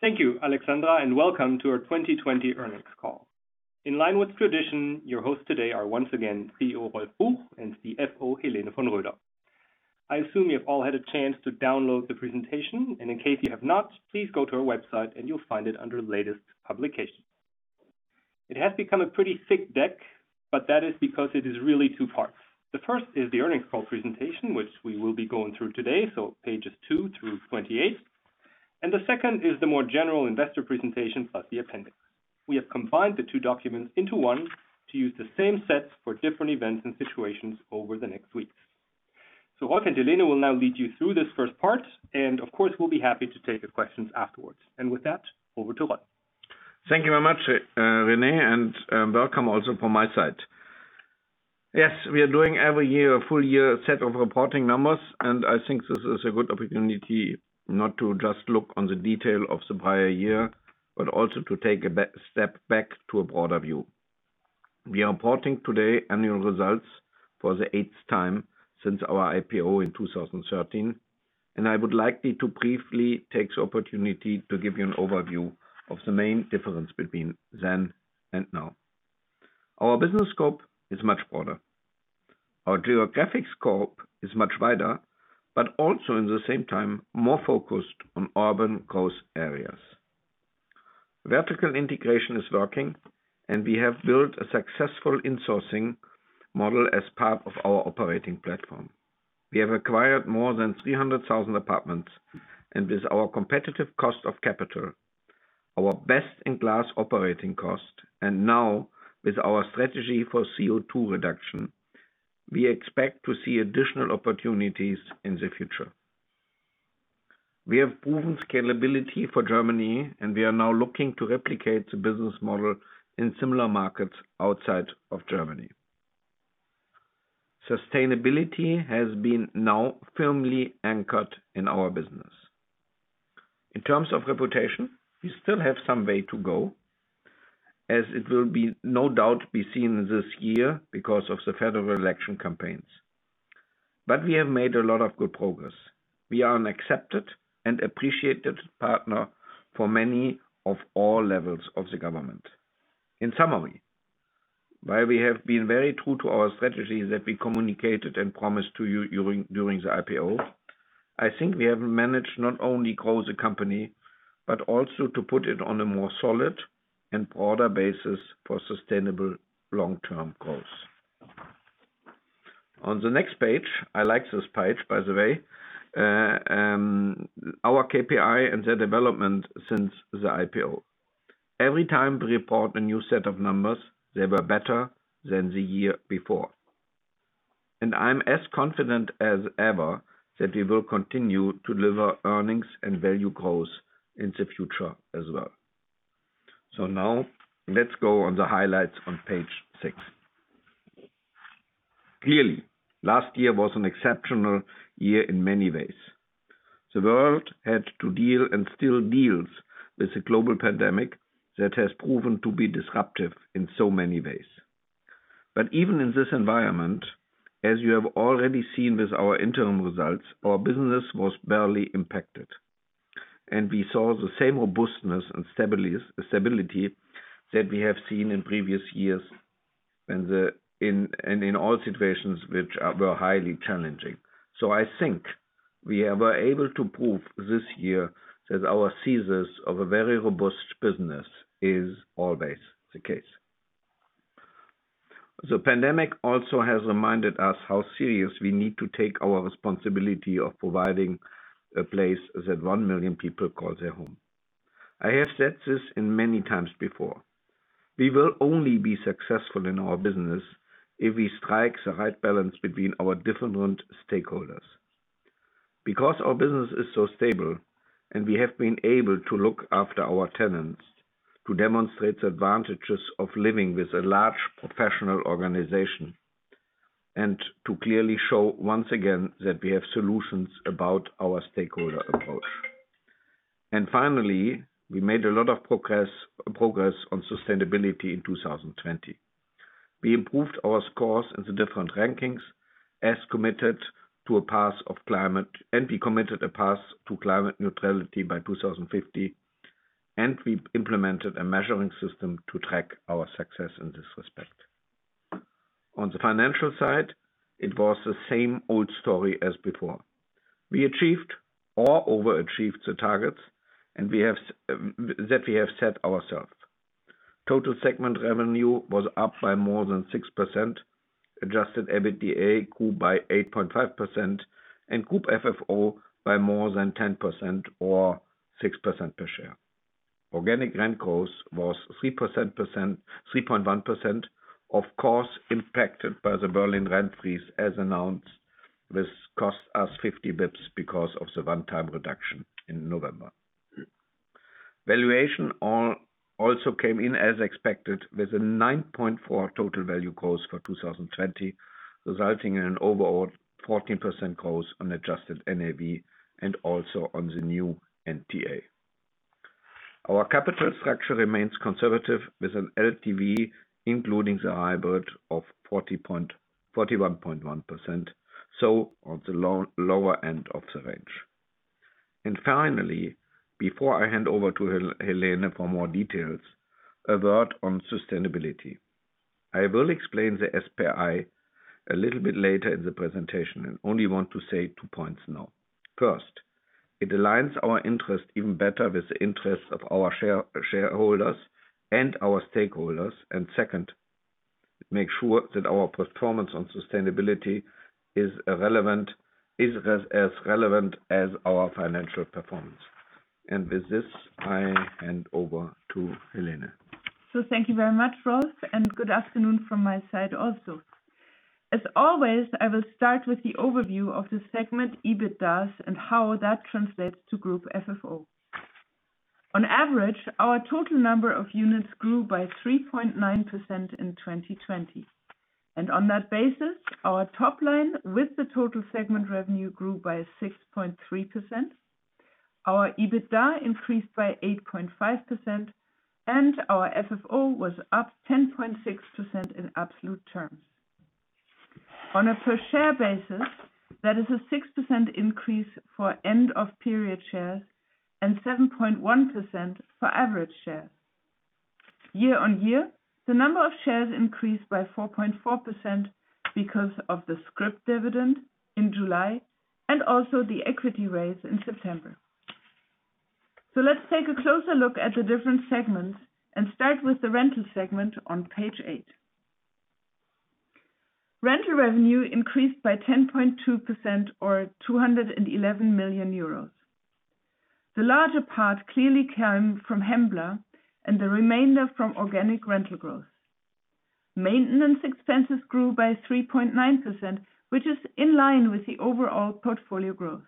Thank you, Alexandra, and welcome to our 2020 earnings call. In line with tradition, your hosts today are once again CEO Rolf Buch and CFO Helene von Roeder. I assume you've all had a chance to download the presentation, and in case you have not, please go to our website and you'll find it under latest publications. It has become a pretty thick deck, but that is because it is really two parts. The first is the earnings call presentation, which we will be going through today, so pages two through 28. The second is the more general investor presentation, plus the appendix. We have combined the two documents into one to use the same set for different events and situations over the next weeks. Rolf and Helene will now lead you through this first part, and of course, we'll be happy to take your questions afterwards. With that, over to Rolf. Thank you very much, Rene, and welcome also from my side. Yes, we are doing every year a full year set of reporting numbers, and I think this is a good opportunity not to just look on the detail of the prior year, but also to take a step back to a broader view. We are reporting today annual results for the eighth time since our IPO in 2013, and I would like me to briefly take the opportunity to give you an overview of the main difference between then and now. Our business scope is much broader. Our geographic scope is much wider, but also in the same time, more focused on urban growth areas. Vertical integration is working, and we have built a successful insourcing model as part of our operating platform. We have acquired more than 300,000 apartments, and with our competitive cost of capital, our best-in-class operating cost, and now with our strategy for CO2 reduction, we expect to see additional opportunities in the future. We have proven scalability for Germany, and we are now looking to replicate the business model in similar markets outside of Germany. Sustainability has been now firmly anchored in our business. In terms of reputation, we still have some way to go, as it will no doubt be seen this year because of the federal election campaigns. We have made a lot of good progress. We are an accepted and appreciated partner for many of all levels of the government. In summary, while we have been very true to our strategy that we communicated and promised to you during the IPO, I think we have managed not only grow the company, but also to put it on a more solid and broader basis for sustainable long-term growth. On the next page, I like this page by the way, our KPI and their development since the IPO. Every time we report a new set of numbers, they were better than the year before. I'm as confident as ever that we will continue to deliver earnings and value growth in the future as well. Now let's go on the highlights on page six. Clearly, last year was an exceptional year in many ways. The world had to deal and still deals with the global pandemic that has proven to be disruptive in so many ways. Even in this environment, as you have already seen with our interim results, our business was barely impacted. We saw the same robustness and stability that we have seen in previous years and in all situations which were highly challenging. I think we were able to prove this year that our thesis of a very robust business is always the case. The pandemic also has reminded us how serious we need to take our responsibility of providing a place that 1 million people call their home. I have said this many times before. We will only be successful in our business if we strike the right balance between our different stakeholders. Because our business is so stable and we have been able to look after our tenants to demonstrate the advantages of living with a large professional organization and to clearly show once again that we have solutions about our stakeholder approach. Finally, we made a lot of progress on sustainability in 2020. We improved our scores in the different rankings. We committed a path to climate neutrality by 2050, and we implemented a measuring system to track our success in this respect. On the financial side, it was the same old story as before. We achieved or overachieved the targets that we have set ourselves. Total segment revenue was up by more than 6%, adjusted EBITDA grew by 8.5%, and group FFO by more than 10% or 6% per share. Organic rent growth was 3.1%, of course impacted by the Berlin rent freeze as announced, which cost us 50 basis points because of the one-time reduction in November. Valuation also came in as expected with a 9.4 total value growth for 2020, resulting in an overall 14% growth on adjusted NAV and also on the new NTA. Our capital structure remains conservative with an LTV, including the hybrid of 41.1%, so on the lower end of the range. Finally, before I hand over to Helene for more details, a word on sustainability. I will explain the SPI a little bit later in the presentation, and only want to say two points now. First, it aligns our interest even better with the interest of our shareholders and our stakeholders. Second, make sure that our performance on sustainability is as relevant as our financial performance. With this, I hand over to Helene. Thank you very much, Rolf, and good afternoon from my side also. As always, I will start with the overview of the segment EBITDAs and how that translates to group FFO. On average, our total number of units grew by 3.9% in 2020. On that basis, our top line with the total segment revenue grew by 6.3%. Our EBITDA increased by 8.5% and our FFO was up 10.6% in absolute terms. On a per share basis, that is a 6% increase for end of period shares and 7.1% for average shares. Year-over-year, the number of shares increased by 4.4% because of the scrip dividend in July and also the equity raise in September. Let's take a closer look at the different segments and start with the rental segment on page eight. Rental revenue increased by 10.2% or 211 million euros. The larger part clearly came from Hembla, and the remainder from organic rental growth. Maintenance expenses grew by 3.9%, which is in line with the overall portfolio growth.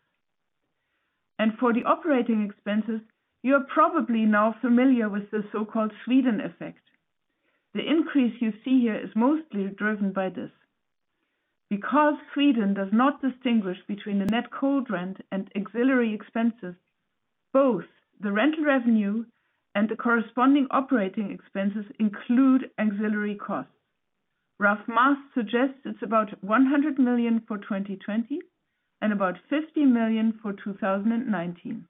For the operating expenses, you are probably now familiar with the so-called Sweden effect. The increase you see here is mostly driven by this. Sweden does not distinguish between the net cold rent and auxiliary expenses, both the rental revenue and the corresponding operating expenses include auxiliary costs. Rough math suggests it's about 100 million for 2020 and about 50 million for 2019.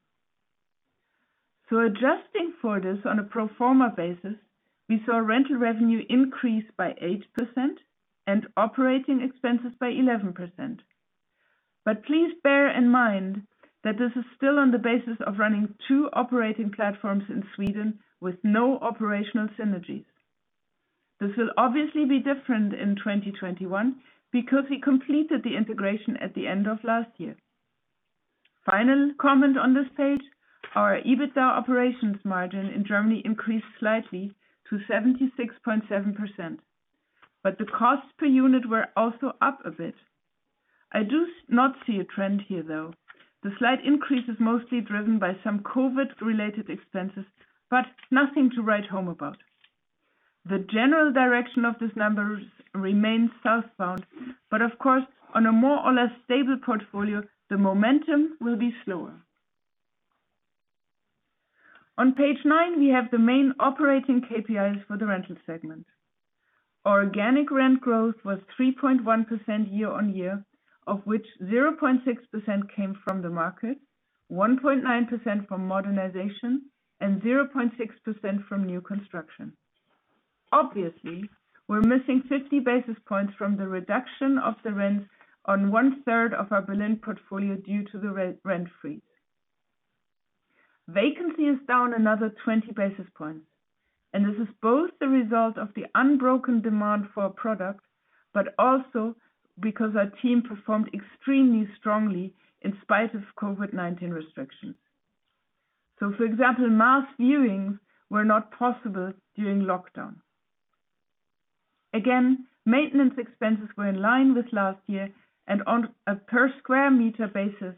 Adjusting for this on a pro forma basis, we saw rental revenue increase by 8% and operating expenses by 11%. Please bear in mind that this is still on the basis of running two operating platforms in Sweden with no operational synergies. This will obviously be different in 2021 because we completed the integration at the end of last year. Final comment on this page, our EBITDA operations margin in Germany increased slightly to 76.7%, but the costs per unit were also up a bit. I do not see a trend here, though. The slight increase is mostly driven by some COVID related expenses, but nothing to write home about. The general direction of these numbers remains southbound, but of course, on a more or less stable portfolio, the momentum will be slower. On page nine, we have the main operating KPIs for the rental segment. Organic rent growth was 3.1% year-on-year, of which 0.6% came from the market, 1.9% from modernization, and 0.6% from new construction. We're missing 50 basis points from the reduction of the rents on one third of our Berlin portfolio due to the Rent Freeze. Vacancy is down another 20 basis points, this is both the result of the unbroken demand for our product, but also because our team performed extremely strongly in spite of COVID-19 restrictions. For example, mass viewings were not possible during lockdown. Again, maintenance expenses were in line with last year and on a per sq m basis,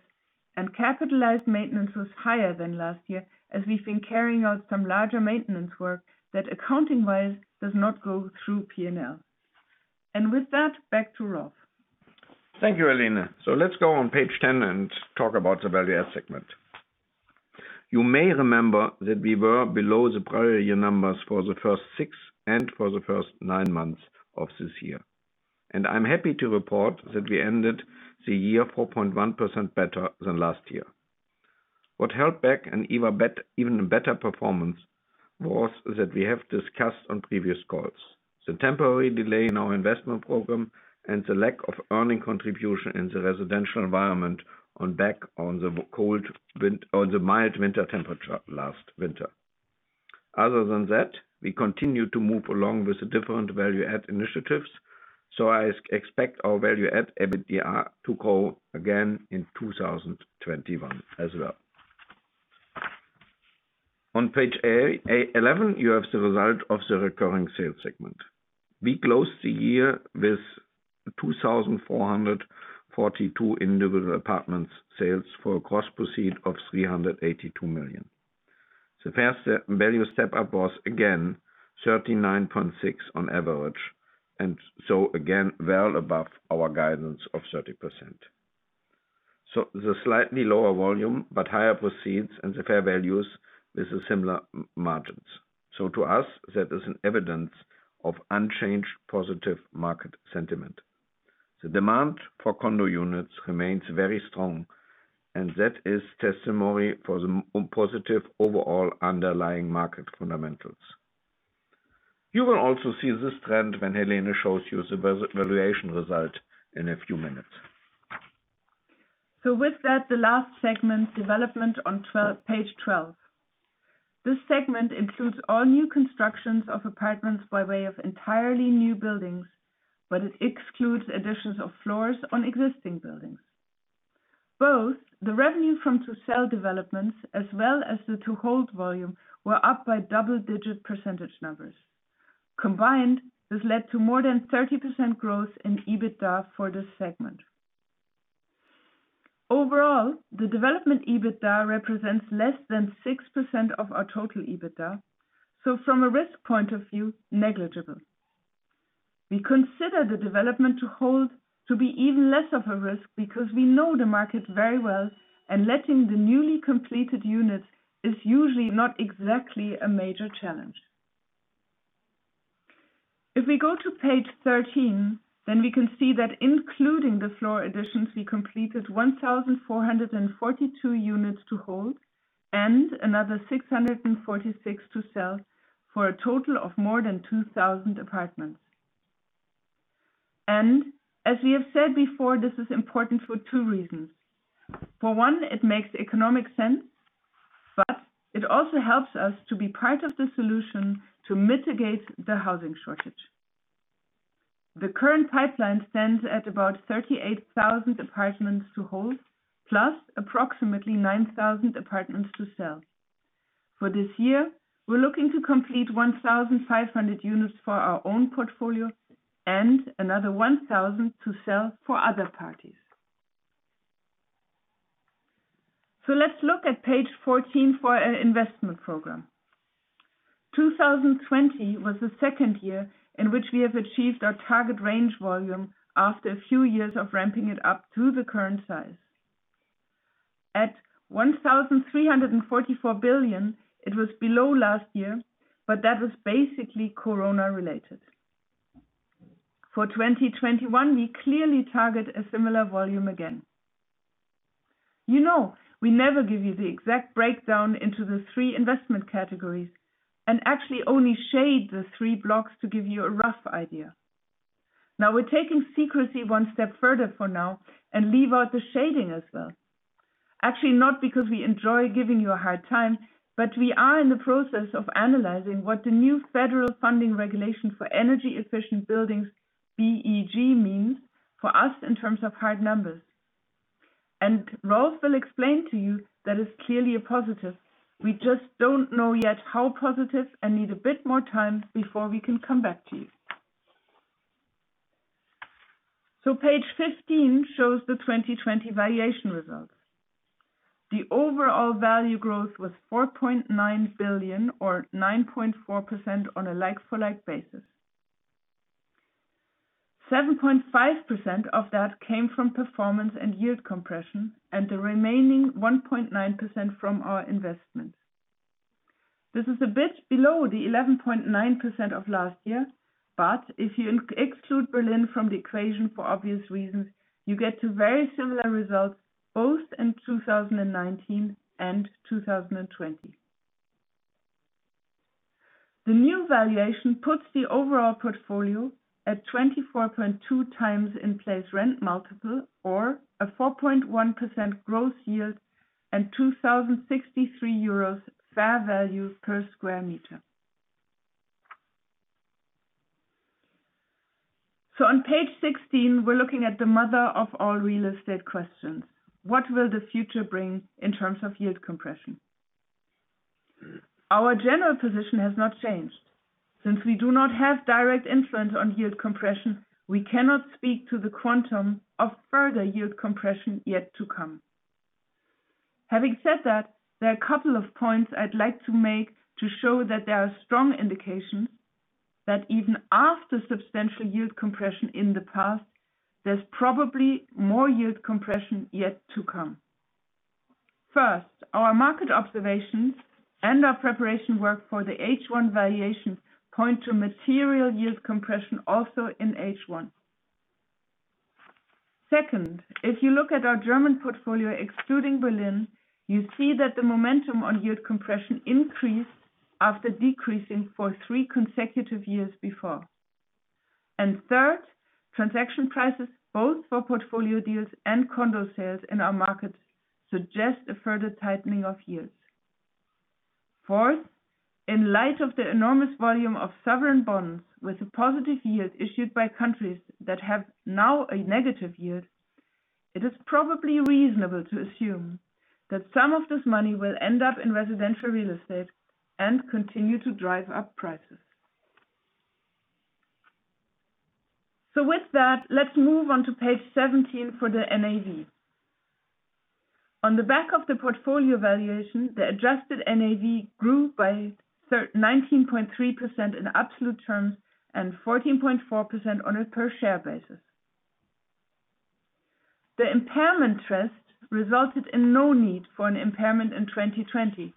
capitalized maintenance was higher than last year, as we've been carrying out some larger maintenance work that accounting-wise does not go through P&L. With that, back to Rolf. Thank you, Helene. Let's go on page 10 and talk about the Value Add segment. You may remember that we were below the prior year numbers for the first six and for the first nine months of this year. I'm happy to report that we ended the year 4.1% better than last year. What held back an even better performance was that we have discussed on previous calls, the temporary delay in our investment program and the lack of earning contribution in the residential environment on the back of the mild winter temperature last winter. Other than that, we continue to move along with the different Value Add initiatives. I expect our Value Add EBITDA to grow again in 2021 as well. On page 11, you have the result of the recurring sales segment. We closed the year with 2,442 individual apartment sales for a gross proceeds of 382 million. The fair value step-up was again 39.6% on average, again, well above our guidance of 30%. The slightly lower volume, but higher proceeds and the fair value is a similar margin. To us, that is evidence of unchanged positive market sentiment. The demand for condo units remains very strong, that is testimony to the positive overall underlying market fundamentals. You will also see this trend when Helene shows you the valuation result in a few minutes. With that, the last segment, development on page 12. This segment includes all new constructions of apartments by way of entirely new buildings, but it excludes additions of floors on existing buildings. Both the revenue from to-sell developments as well as the to-hold volume were up by double-digit percentage numbers. Combined, this led to more than 30% growth in EBITDA for this segment. Overall, the development EBITDA represents less than 6% of our total EBITDA, from a risk point of view, negligible. We consider the development to hold to be even less of a risk because we know the market very well, and letting the newly completed units is usually not exactly a major challenge. If we go to page 13, we can see that including the floor additions, we completed 1,442 units to hold and another 646 to sell for a total of more than 2,000 apartments. As we have said before, this is important for two reasons. For one, it makes economic sense, but it also helps us to be part of the solution to mitigate the housing shortage. The current pipeline stands at about 38,000 apartments to hold, plus approximately 9,000 apartments to sell. For this year, we're looking to complete 1,500 units for our own portfolio and another 1,000 to sell for other parties. Let's look at page 14 for our investment program. 2020 was the second year in which we have achieved our target range volume after a few years of ramping it up to the current size. At 1,344 billion, it was below last year. That was basically corona related. For 2021, we clearly target a similar volume again. You know, we never give you the exact breakdown into the three investment categories and actually only shade the three blocks to give you a rough idea. We're taking secrecy one step further for now and leave out the shading as well. Not because we enjoy giving you a hard time, but we are in the process of analyzing what the new federal funding regulation for energy efficient buildings, BEG means for us in terms of hard numbers. Rolf will explain to you that is clearly a positive. We just don't know yet how positive and need a bit more time before we can come back to you. Page 15 shows the 2020 valuation results. The overall value growth was 4.9 billion or 9.4% on a like-for-like basis. 7.5% of that came from performance and yield compression, and the remaining 1.9% from our investments. This is a bit below the 11.9% of last year, but if you exclude Berlin from the equation for obvious reasons, you get to very similar results both in 2019 and 2020. The new valuation puts the overall portfolio at 24.2x in place rent multiple or a 4.1% gross yield and 2,063 euros fair value per sq m. On page 16, we're looking at the mother of all real estate questions. What will the future bring in terms of yield compression? Our general position has not changed. Since we do not have direct influence on yield compression, we cannot speak to the quantum of further yield compression yet to come. Having said that, there are a couple of points I'd like to make to show that there are strong indications that even after substantial yield compression in the past, there's probably more yield compression yet to come. First, our market observations and our preparation work for the H1 valuation point to material yield compression also in H1. Second, if you look at our German portfolio excluding Berlin, you see that the momentum on yield compression increased after decreasing for three consecutive years before. Third, transaction prices both for portfolio deals and condo sales in our market suggest a further tightening of yields. Fourth, in light of the enormous volume of sovereign bonds with a positive yield issued by countries that have now a negative yield, it is probably reasonable to assume that some of this money will end up in residential real estate and continue to drive up prices. With that, let's move on to page 17 for the NAV. On the back of the portfolio valuation, the adjusted NAV grew by 19.3% in absolute terms and 14.4% on a per share basis. The impairment test resulted in no need for an impairment in 2020.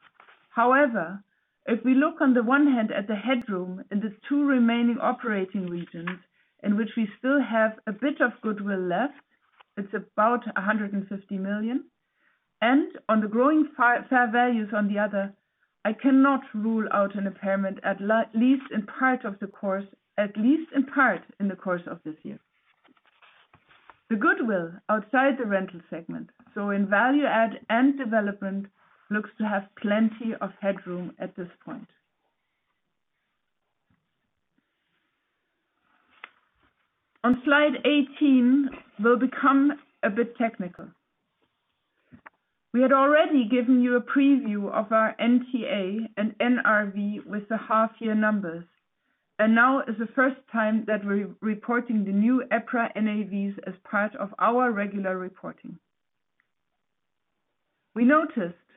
However, if we look on the one hand at the headroom in the two remaining operating regions in which we still have a bit of goodwill left, it's about 150 million, and on the growing fair values on the other, I cannot rule out an impairment at least in part in the course of this year. The goodwill outside the rental segment, in value add and development looks to have plenty of headroom at this point. On slide 18, we'll become a bit technical. We had already given you a preview of our NTA and NRV with the half year numbers. Now is the first time that we're reporting the new EPRA NAVs as part of our regular reporting. We noticed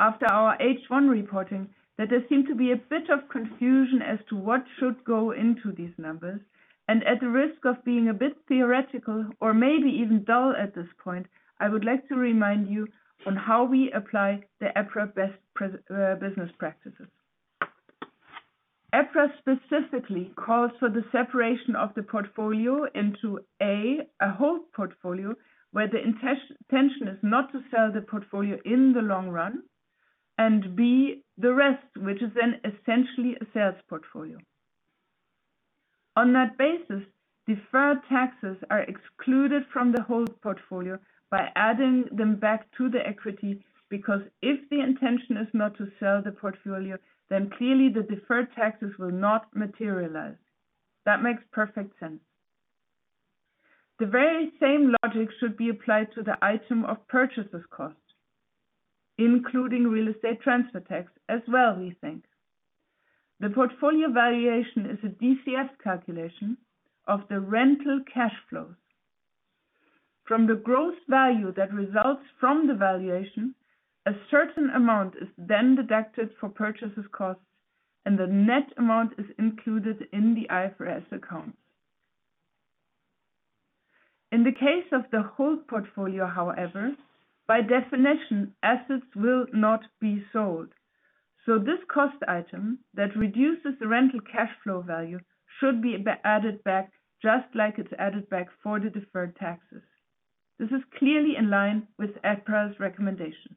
after our H1 reporting that there seemed to be a bit of confusion as to what should go into these numbers. At the risk of being a bit theoretical or maybe even dull at this point, I would like to remind you on how we apply the EPRA best business practices. EPRA specifically calls for the separation of the portfolio into A, a hold portfolio, where the intention is not to sell the portfolio in the long run, and B, the rest, which is then essentially a sales portfolio. On that basis, deferred taxes are excluded from the hold portfolio by adding them back to the equity, because if the intention is not to sell the portfolio, then clearly the deferred taxes will not materialize. That makes perfect sense. The very same logic should be applied to the item of purchasers' costs, including Real Estate Transfer Tax as well, we think. The portfolio valuation is a DCF calculation of the rental cash flows. From the gross value that results from the valuation, a certain amount is then deducted for purchasers' costs, and the net amount is included in the IFRS accounts. In the case of the hold portfolio, however, by definition, assets will not be sold. This cost item that reduces the rental cash flow value should be added back just like it's added back for the deferred taxes. This is clearly in line with EPRA's recommendations.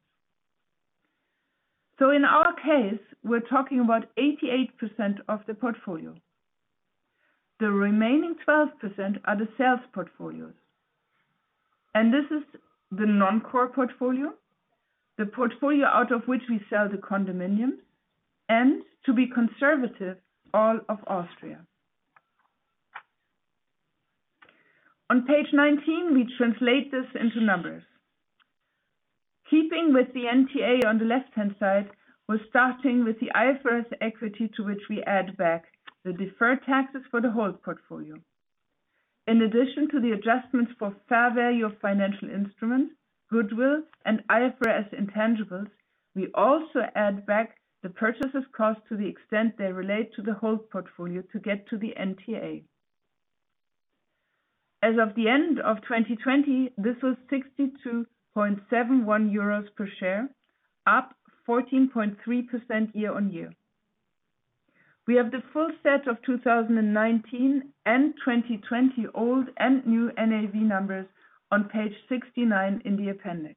In our case, we're talking about 88% of the portfolio. The remaining 12% are the sales portfolios. This is the non-core portfolio, the portfolio out of which we sell the condominiums, and to be conservative, all of Austria. On page 19, we translate this into numbers. Keeping with the NTA on the left-hand side, we're starting with the IFRS equity to which we add back the deferred taxes for the hold portfolio. In addition to the adjustments for fair value of financial instruments, goodwill, and IFRS intangibles, we also add back the purchaser's cost to the extent they relate to the hold portfolio to get to the NTA. As of the end of 2020, this was 62.71 euros per share, up 14.3% year-on-year. We have the full set of 2019 and 2020 old and new NAV numbers on page 69 in the appendix.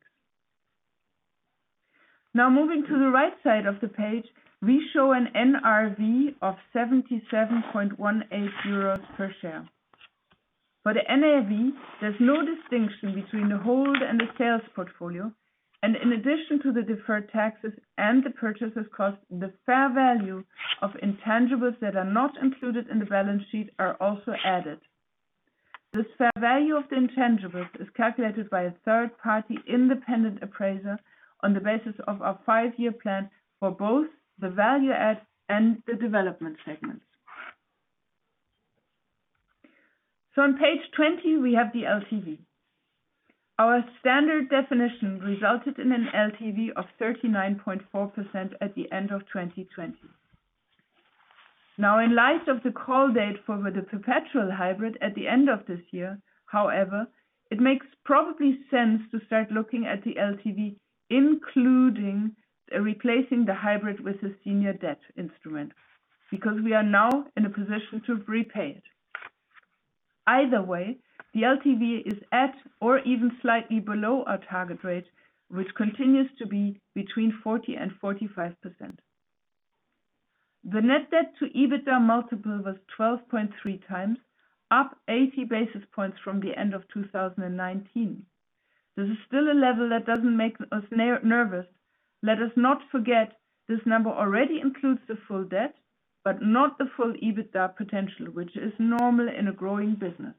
Now moving to the right side of the page, we show an NRV of 77.18 euros per share. For the NAV, there's no distinction between the hold and the sales portfolio, and in addition to the deferred taxes and the purchasers' costs, the fair value of intangibles that are not included in the balance sheet are also added. This fair value of the intangibles is calculated by a third party independent appraiser on the basis of our five-year plan for both the value add and the development segments. On page 20, we have the LTV. Our standard definition resulted in an LTV of 39.4% at the end of 2020. Now, in light of the call date for the perpetual hybrid at the end of this year, however, it makes probably sense to start looking at the LTV, including replacing the hybrid with a senior debt instrument, because we are now in a position to repay it. Either way, the LTV is at or even slightly below our target rate, which continues to be between 40% and 45%. The net debt to EBITDA multiple was 12.3x, up 80 basis points from the end of 2019. This is still a level that doesn't make us nervous. Let us not forget this number already includes the full debt, but not the full EBITDA potential, which is normal in a growing business.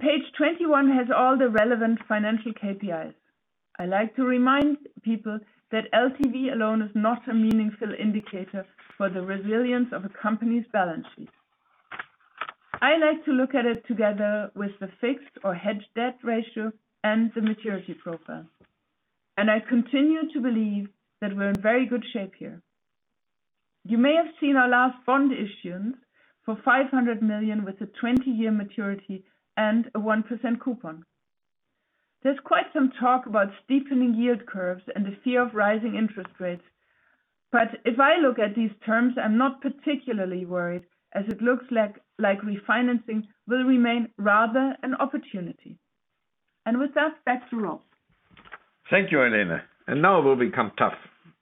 Page 21 has all the relevant financial KPIs. I like to remind people that LTV alone is not a meaningful indicator for the resilience of a company's balance sheet. I like to look at it together with the fixed or hedged debt ratio and the maturity profile. I continue to believe that we're in very good shape here. You may have seen our last bond issuance for 500 million with a 20-year maturity and a 1% coupon. There's quite some talk about steepening yield curves and the fear of rising interest rates. If I look at these terms, I'm not particularly worried, as it looks like refinancing will remain rather an opportunity. With that, back to Rolf. Thank you, Helene. Now it will become tough.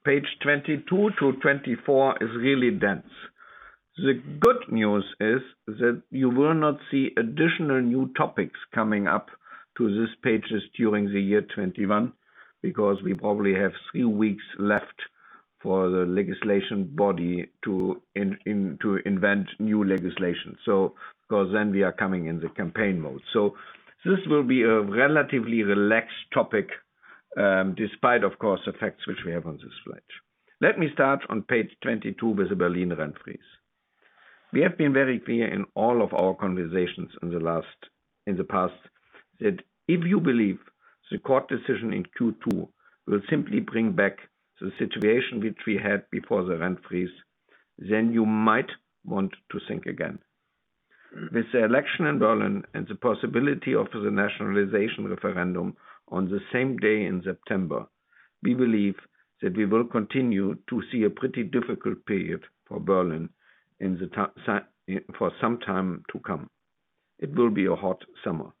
Page 22-24 is really dense. The good news is that you will not see additional new topics coming up to these pages during the year 2021 because we probably have three weeks left for the legislation body to invent new legislation. Then we are coming in the campaign mode. This will be a relatively relaxed topic, despite, of course, the facts which we have on this slide. Let me start on page 22 with the Berlin rent freeze. We have been very clear in all of our conversations in the past that if you believe the court decision in Q2 will simply bring back the situation which we had before the Rent Freeze, then you might want to think again. With the election in Berlin and the possibility of the nationalization referendum on the same day in September, we believe that we will continue to see a pretty difficult period for Berlin for some time to come. It will be a hot summer.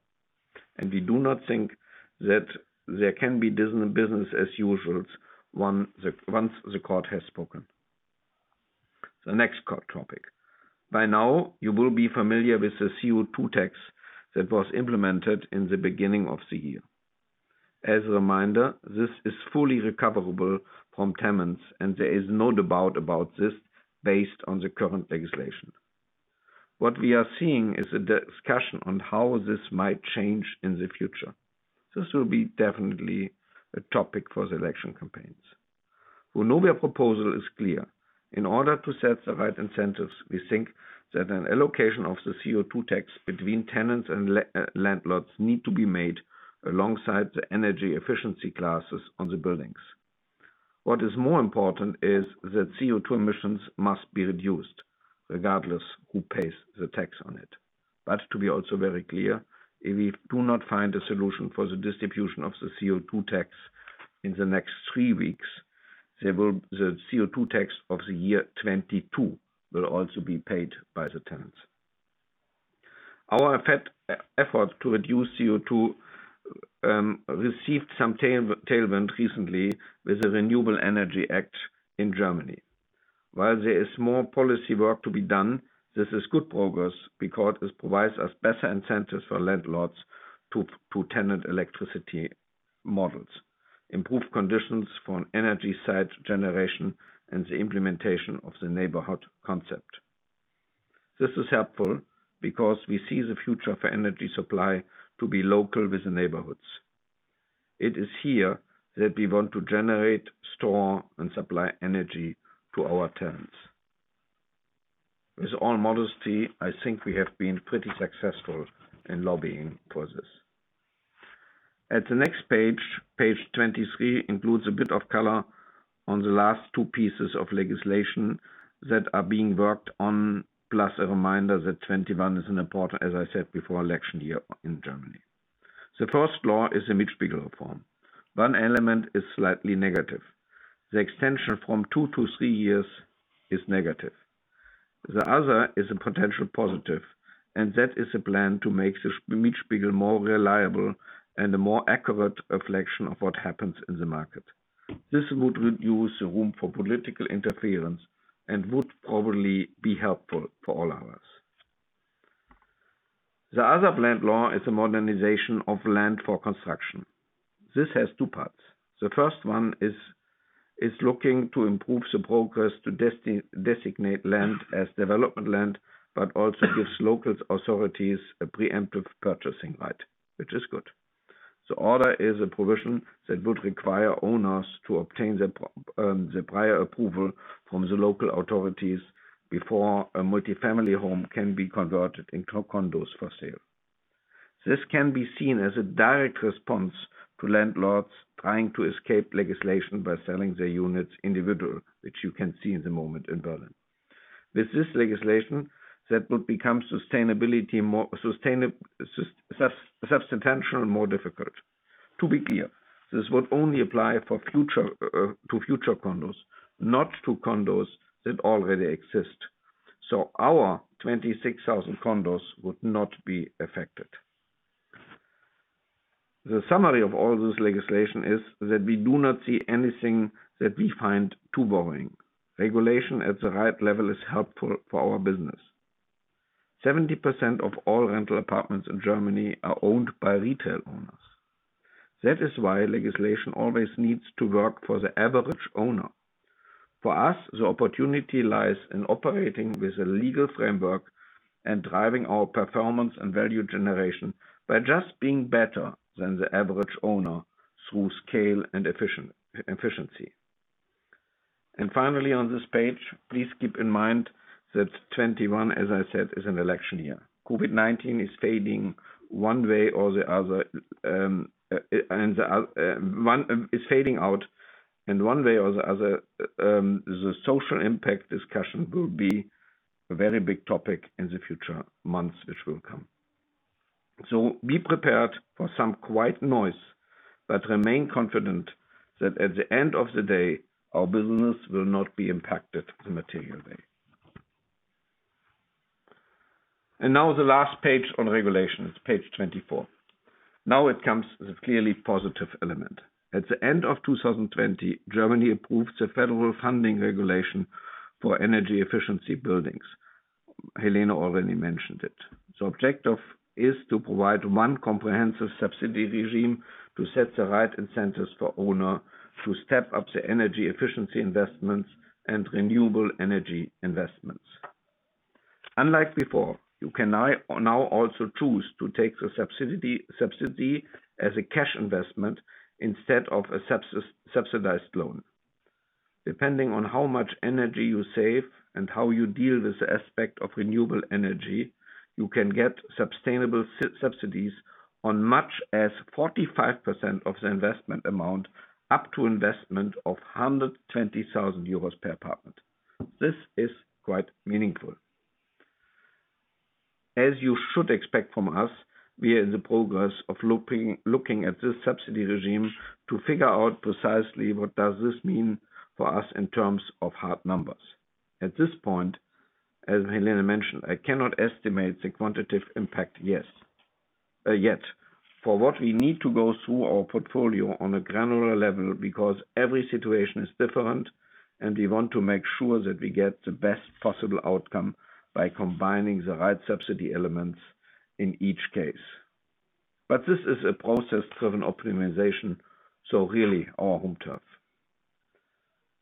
We do not think that there can be business as usual once the court has spoken. The next court topic. By now, you will be familiar with the CO2 tax that was implemented in the beginning of the year. As a reminder, this is fully recoverable from tenants, and there is no doubt about this based on the current legislation. What we are seeing is a discussion on how this might change in the future. This will be definitely a topic for the election campaigns. Vonovia proposal is clear. In order to set the right incentives, we think that an allocation of the CO2 tax between tenants and landlords need to be made alongside the energy efficiency classes on the buildings. What is more important is that CO2 emissions must be reduced regardless who pays the tax on it. To be also very clear, if we do not find a solution for the distribution of the CO2 tax in the next three weeks, the CO2 tax of the year 2022 will also be paid by the tenants. Our effort to reduce CO2 received some tailwind recently with the Renewable Energy Sources Act in Germany. While there is more policy work to be done, this is good progress because this provides us better incentives for landlord-to-tenant electricity models, improve conditions for an energy site generation, and the implementation of the neighborhood concept. This is helpful because we see the future for energy supply to be local with the neighborhoods. It is here that we want to generate, store, and supply energy to our tenants. With all modesty, I think we have been pretty successful in lobbying for this. At the next page 23 includes a bit of color on the last two pieces of legislation that are being worked on, plus a reminder that 2021 is an important, as I said before, election year in Germany. The first law is the Mietspiegel reform. One element is slightly negative. The extension from two to three years is negative. The other is a potential positive, and that is a plan to make the Mietspiegel more reliable and a more accurate reflection of what happens in the market. This would reduce the room for political interference and would probably be helpful for all of us. The other planned law is the modernization of land for construction. This has two parts. The first one is looking to improve the progress to designate land as development land, but also gives local authorities a preemptive purchasing right, which is good. The other is a provision that would require owners to obtain the prior approval from the local authorities before a multifamily home can be converted into condos for sale. This can be seen as a direct response to landlords trying to escape legislation by selling their units individual, which you can see in the moment in Berlin. With this legislation, that would become substantially more difficult. To be clear, this would only apply to future condos, not to condos that already exist. Our 26,000 condos would not be affected. The summary of all this legislation is that we do not see anything that we find too worrying. Regulation at the right level is helpful for our business. 70% of all rental apartments in Germany are owned by retail owners. That is why legislation always needs to work for the average owner. For us, the opportunity lies in operating with a legal framework and driving our performance and value generation by just being better than the average owner through scale and efficiency. Finally on this page, please keep in mind that 2021, as I said, is an election year. COVID-19 is fading one way or the other. One way or the other, the social impact discussion will be a very big topic in the future months which will come. Be prepared for some quiet noise, but remain confident that at the end of the day, our business will not be impacted materially. Now the last page on regulations, page 24. Now it comes with a clearly positive element. At the end of 2020, Germany approves the Federal Funding Regulation for Energy Efficiency Buildings. Helene already mentioned it. The objective is to provide one comprehensive subsidy regime to set the right incentives for owner to step up the energy efficiency investments and renewable energy investments. Unlike before, you can now also choose to take the subsidy as a cash investment instead of a subsidized loan. Depending on how much energy you save and how you deal with the aspect of renewable energy, you can get sustainable subsidies as much as 45% of the investment amount, up to investment of 120,000 euros per apartment. This is quite meaningful. As you should expect from us, we are in the progress of looking at this subsidy regime to figure out precisely what does this mean for us in terms of hard numbers. At this point, as Helene mentioned, I cannot estimate the quantitative impact yet. For what we need to go through our portfolio on a granular level, because every situation is different, and we want to make sure that we get the best possible outcome by combining the right subsidy elements in each case. This is a process-driven optimization, so really our home turf.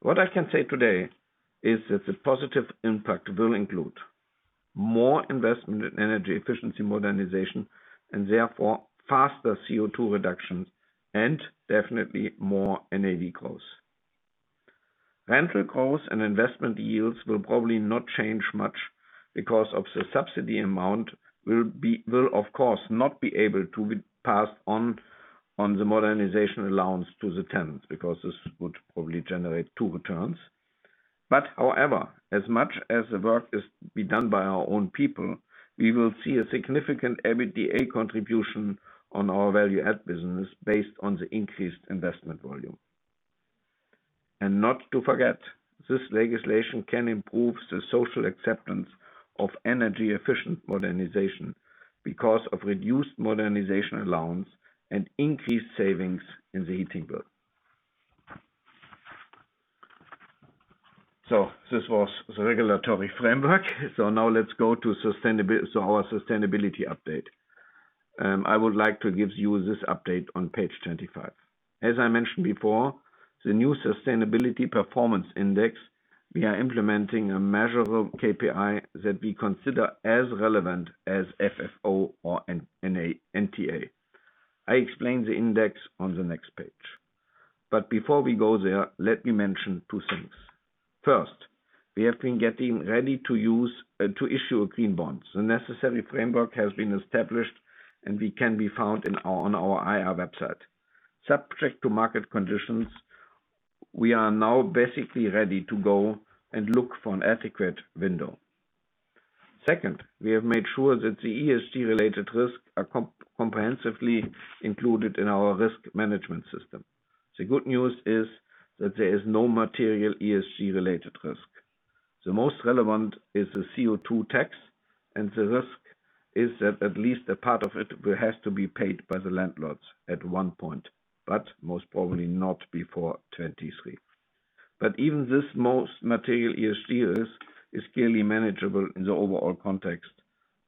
What I can say today is that the positive impact will include more investment in energy efficiency modernization and therefore faster CO2 reduction and definitely more NAV growth. Rental growth and investment yields will probably not change much because of the subsidy amount will, of course, not be able to be passed on the modernization allowance to the tenants, because this would probably generate two returns. However, as much as the work is to be done by our own people, we will see a significant EBITDA contribution on our value add business based on the increased investment volume. Not to forget, this legislation can improve the social acceptance of energy efficient modernization because of reduced modernization allowance and increased savings in the heating bill. This was the regulatory framework. Now let's go to our Sustainability update. I would like to give you this update on page 25. As I mentioned before, the new Sustainability Performance Index, we are implementing a measurable KPI that we consider as relevant as FFO or NTA. I explain the index on the next page. Before we go there, let me mention two things. First, we have been getting ready to issue green bonds. The necessary framework has been established, and we can be found on our IR website. Subject to market conditions, we are now basically ready to go and look for an adequate window. Second, we have made sure that the ESG related risk are comprehensively included in our risk management system. The good news is that there is no material ESG related risk. The most relevant is the CO2 tax, and the risk is that at least a part of it has to be paid by the landlords at one point, but most probably not before 2023. Even this most material ESG risk is clearly manageable in the overall context,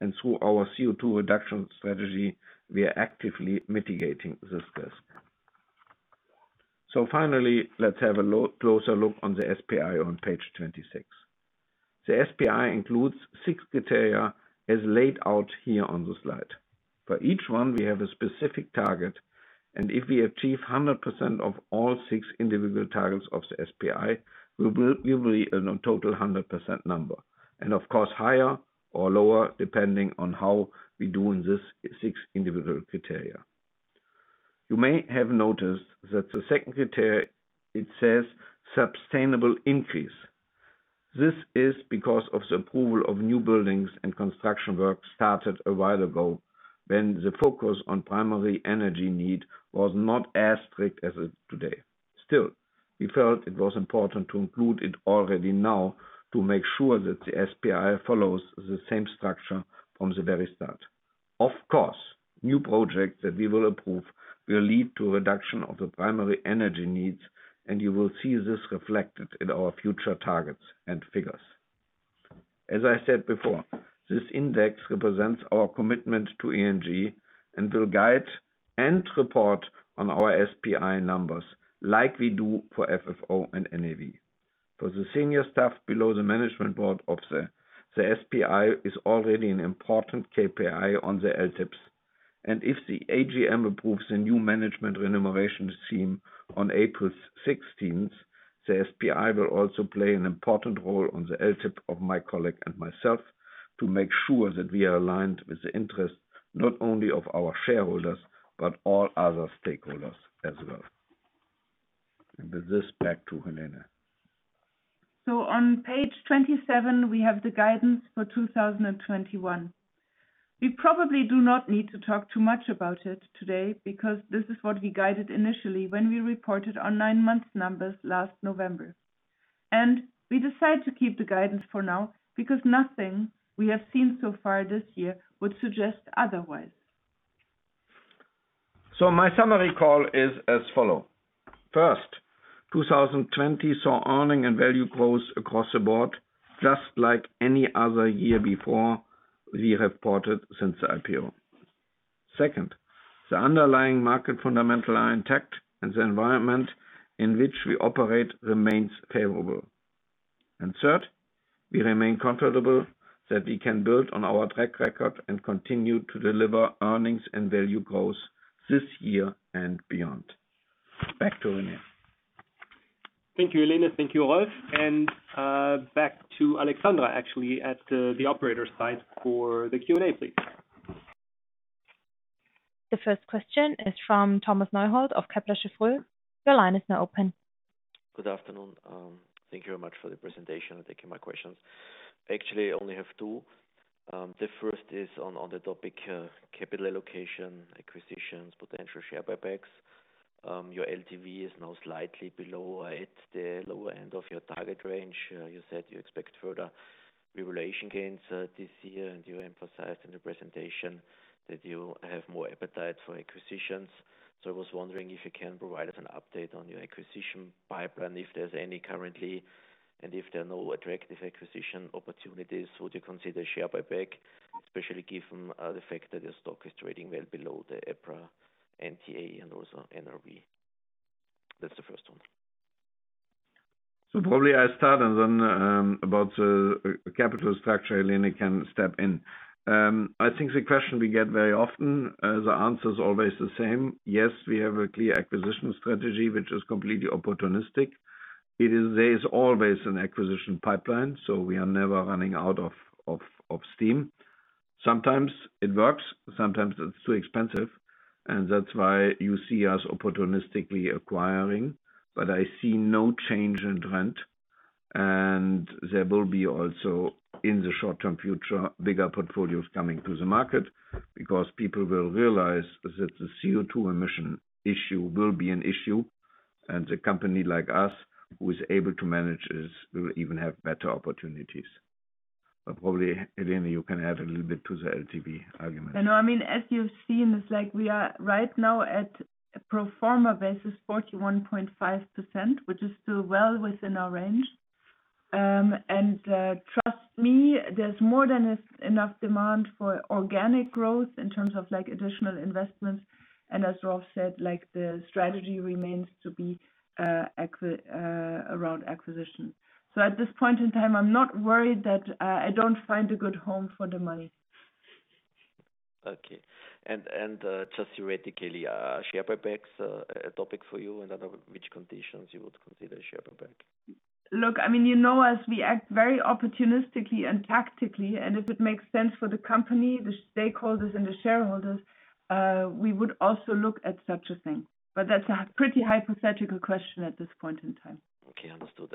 and through our CO2 reduction strategy, we are actively mitigating this risk. Finally, let's have a closer look on the SPI on page 26. The SPI includes six criteria as laid out here on the slide. For each one, we have a specific target, and if we achieve 100% of all six individual targets of the SPI, we will be in a total 100% number. Of course, higher or lower, depending on how we do in this six individual criteria. You may have noticed that the second criteria, it says sustainable increase. This is because of the approval of new buildings and construction work started a while ago, when the focus on primary energy need was not as strict as it is today. Still, we felt it was important to include it already now to make sure that the SPI follows the same structure from the very start. Of course, new projects that we will approve will lead to reduction of the primary energy needs, and you will see this reflected in our future targets and figures. As I said before, this index represents our commitment to ESG and will guide and report on our SPI numbers like we do for FFO and NAV. For the senior staff below the management board, the SPI is already an important KPI on the LTIPs. If the AGM approves the new management remuneration scheme on April 16th, the SPI will also play an important role on the LTIP of my colleague and myself to make sure that we are aligned with the interests not only of our shareholders, but all other stakeholders as well. With this, back to Helene. On page 27, we have the guidance for 2021. We probably do not need to talk too much about it today because this is what we guided initially when we reported our nine-month numbers last November. We decide to keep the guidance for now because nothing we have seen so far this year would suggest otherwise. My summary call is as follows. First, 2020 saw earnings and value growth across the board just like any other year before we have reported since the IPO. Second, the underlying market fundamentals are intact and the environment in which we operate remains favorable. Third, we remain comfortable that we can build on our track record and continue to deliver earnings and value growth this year and beyond. Back to Rene. Thank you, Helene. Thank you, Rolf. Back to Alexandra, actually, at the operator side for the Q&A, please. The first question is from Thomas Neuhold of Kepler Cheuvreux. Your line is now open. Good afternoon. Thank you very much for the presentation and taking my questions. Actually, only have two. The first is on the topic capital allocation, acquisitions, potential share buybacks. Your LTV is now slightly below. It's the lower end of your target range. You said you expect further revaluation gains this year, and you emphasized in the presentation that you have more appetite for acquisitions. I was wondering if you can provide us an update on your acquisition pipeline, if there's any currently, and if there are no attractive acquisition opportunities, would you consider share buyback, especially given the fact that the stock is trading well below the EPRA NTA and also NRV. That's the first one. Probably I start and then about the capital structure, Helene can step in. I think the question we get very often, the answer is always the same. Yes, we have a clear acquisition strategy, which is completely opportunistic. There is always an acquisition pipeline, we are never running out of steam. Sometimes it works, sometimes it's too expensive, that's why you see us opportunistically acquiring. I see no change in trend, there will be also, in the short term future, bigger portfolios coming to the market because people will realize that the CO2 emission issue will be an issue. The company like us who is able to manage this will even have better opportunities. Probably, Helene, you can add a little bit to the LTV argument. I know. As you've seen, it's like we are right now at pro forma basis 41.5%, which is still well within our range. Trust me, there's more than enough demand for organic growth in terms of additional investments. As Rolf said, the strategy remains to be around acquisition. At this point in time, I'm not worried that I don't find a good home for the money. Okay. Just theoretically, share buybacks a topic for you? Under which conditions you would consider share buyback? Look, you know us. We act very opportunistically and tactically, and if it makes sense for the company, the stakeholders and the shareholders, we would also look at such a thing. That's a pretty hypothetical question at this point in time. Okay, understood.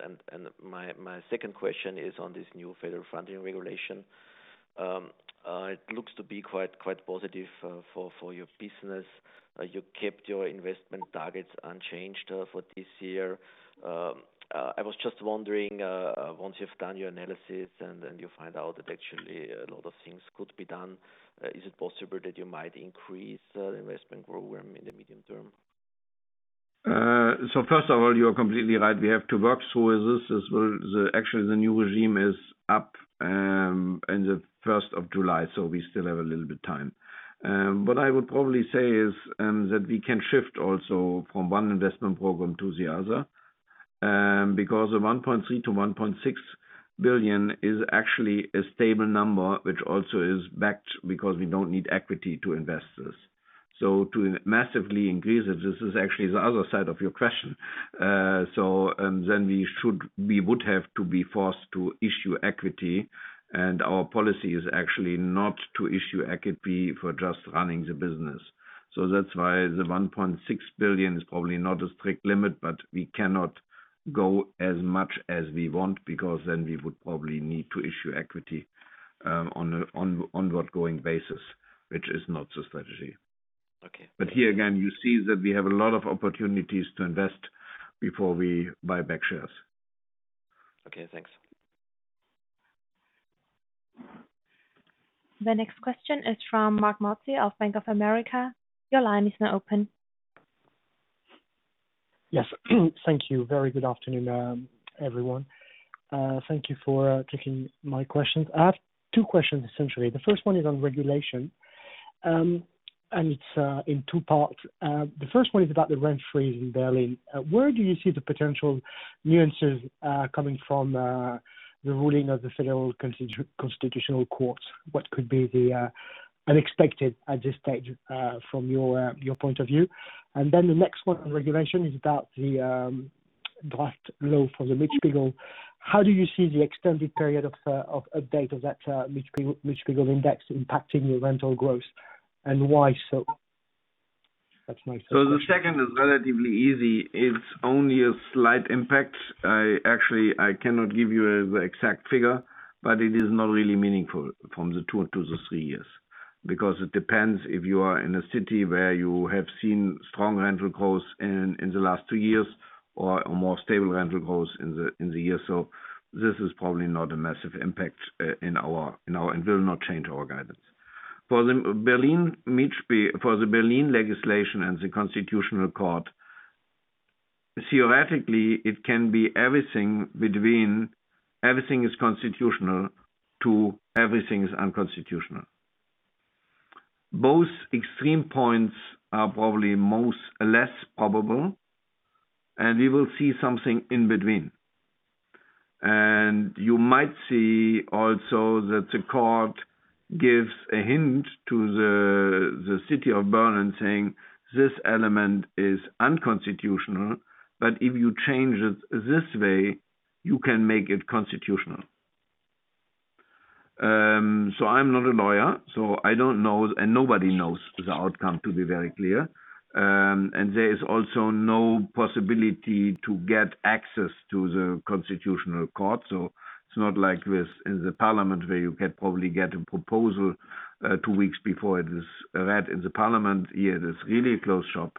My second question is on this new federal funding regulation. It looks to be quite positive for your business. You kept your investment targets unchanged for this year. I was just wondering, once you've done your analysis and you find out that actually a lot of things could be done, is it possible that you might increase investment program in the medium term? First of all, you are completely right. We have to work through this as well. Actually, the new regime is up in the 1st of July, so we still have a little bit time. What I would probably say is that we can shift also from one investment program to the other, because the 1.3 billion-1.6 billion is actually a stable number, which also is backed because we don't need equity to invest this. To massively increase it, this is actually the other side of your question. Then we would have to be forced to issue equity, and our policy is actually not to issue equity for just running the business. That's why the 1.6 billion is probably not a strict limit, but we cannot go as much as we want because then we would probably need to issue equity onward going basis, which is not the strategy. Okay. Here again, you see that we have a lot of opportunities to invest before we buy back shares. Okay, thanks. The next question is from Marc Mozzi of Bank of America. Your line is now open. Yes. Thank you. Very good afternoon, everyone. Thank you for taking my questions. I have two questions essentially. The first one is on regulation, and it is in two parts. The first one is about the rent freeze in Berlin. Where do you see the potential nuances coming from the ruling of the Federal Constitutional Court? What could be the unexpected at this stage from your point of view. The next one on regulation is about the draft law for the Mietspiegel. How do you see the extended period of update of that Mietspiegel index impacting your rental growth, and why so? That is my first question. The second is relatively easy. It's only a slight impact. Actually, I cannot give you the exact figure, but it is not really meaningful from the two to the three years. Because it depends if you are in a city where you have seen strong rental growth in the last two years or more stable rental growth in the years. This is probably not a massive impact and will not change our guidance. For the Berlin legislation and the Constitutional Court, theoretically, it can be everything between everything is constitutional to everything is unconstitutional. Both extreme points are probably most less probable, and we will see something in between. You might see also that the court gives a hint to the city of Berlin saying, "This element is unconstitutional, but if you change it this way, you can make it constitutional." I'm not a lawyer, so I don't know, and nobody knows the outcome, to be very clear. There is also no possibility to get access to the Constitutional Court. It's not like in the parliament where you can probably get a proposal two weeks before it is read in the parliament. Here, it is really a closed shop.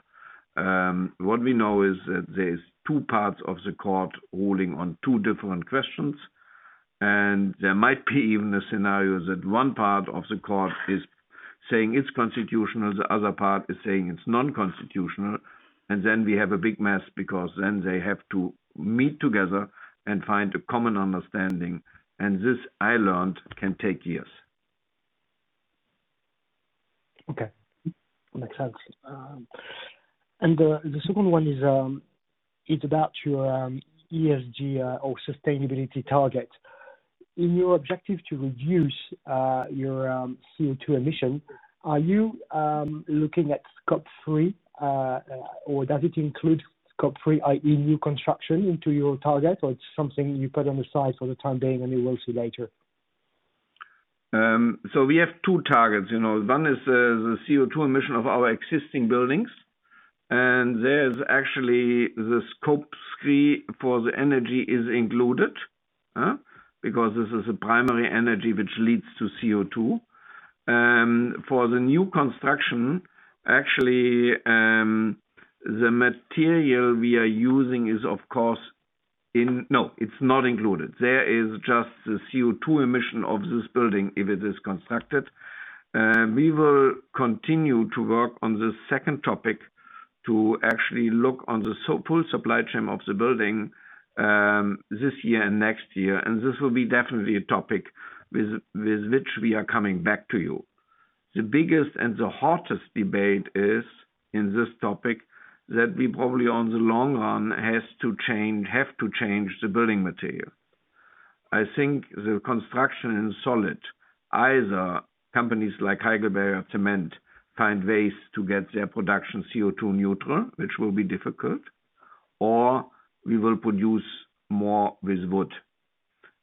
What we know is that there is two parts of the court ruling on two different questions, and there might be even a scenario that one part of the court is saying it's constitutional, the other part is saying it's non-constitutional. Then we have a big mess because then they have to meet together and find a common understanding. This, I learned, can take years. Okay. Makes sense. The second one is about your ESG or sustainability target. In your objective to reduce your CO2 emission, are you looking at Scope 3? Does it include Scope 3, i.e., new construction into your target, or it's something you put on the side for the time being, and you will see later? We have two targets. One is the CO2 emission of our existing buildings. There's actually the Scope 3 for the energy is included. This is a primary energy which leads to CO2. For the new construction, actually, the material we are using is, of course. No, it's not included. There is just the CO2 emission of this building if it is constructed. We will continue to work on this second topic to actually look on the full supply chain of the building this year and next year. This will be definitely a topic with which we are coming back to you. The biggest and the hottest debate is in this topic that we probably, on the long run, have to change the building material. I think the construction in solid, either companies like Heidelberg Materials find ways to get their production CO2 neutral, which will be difficult, or we will produce more with wood.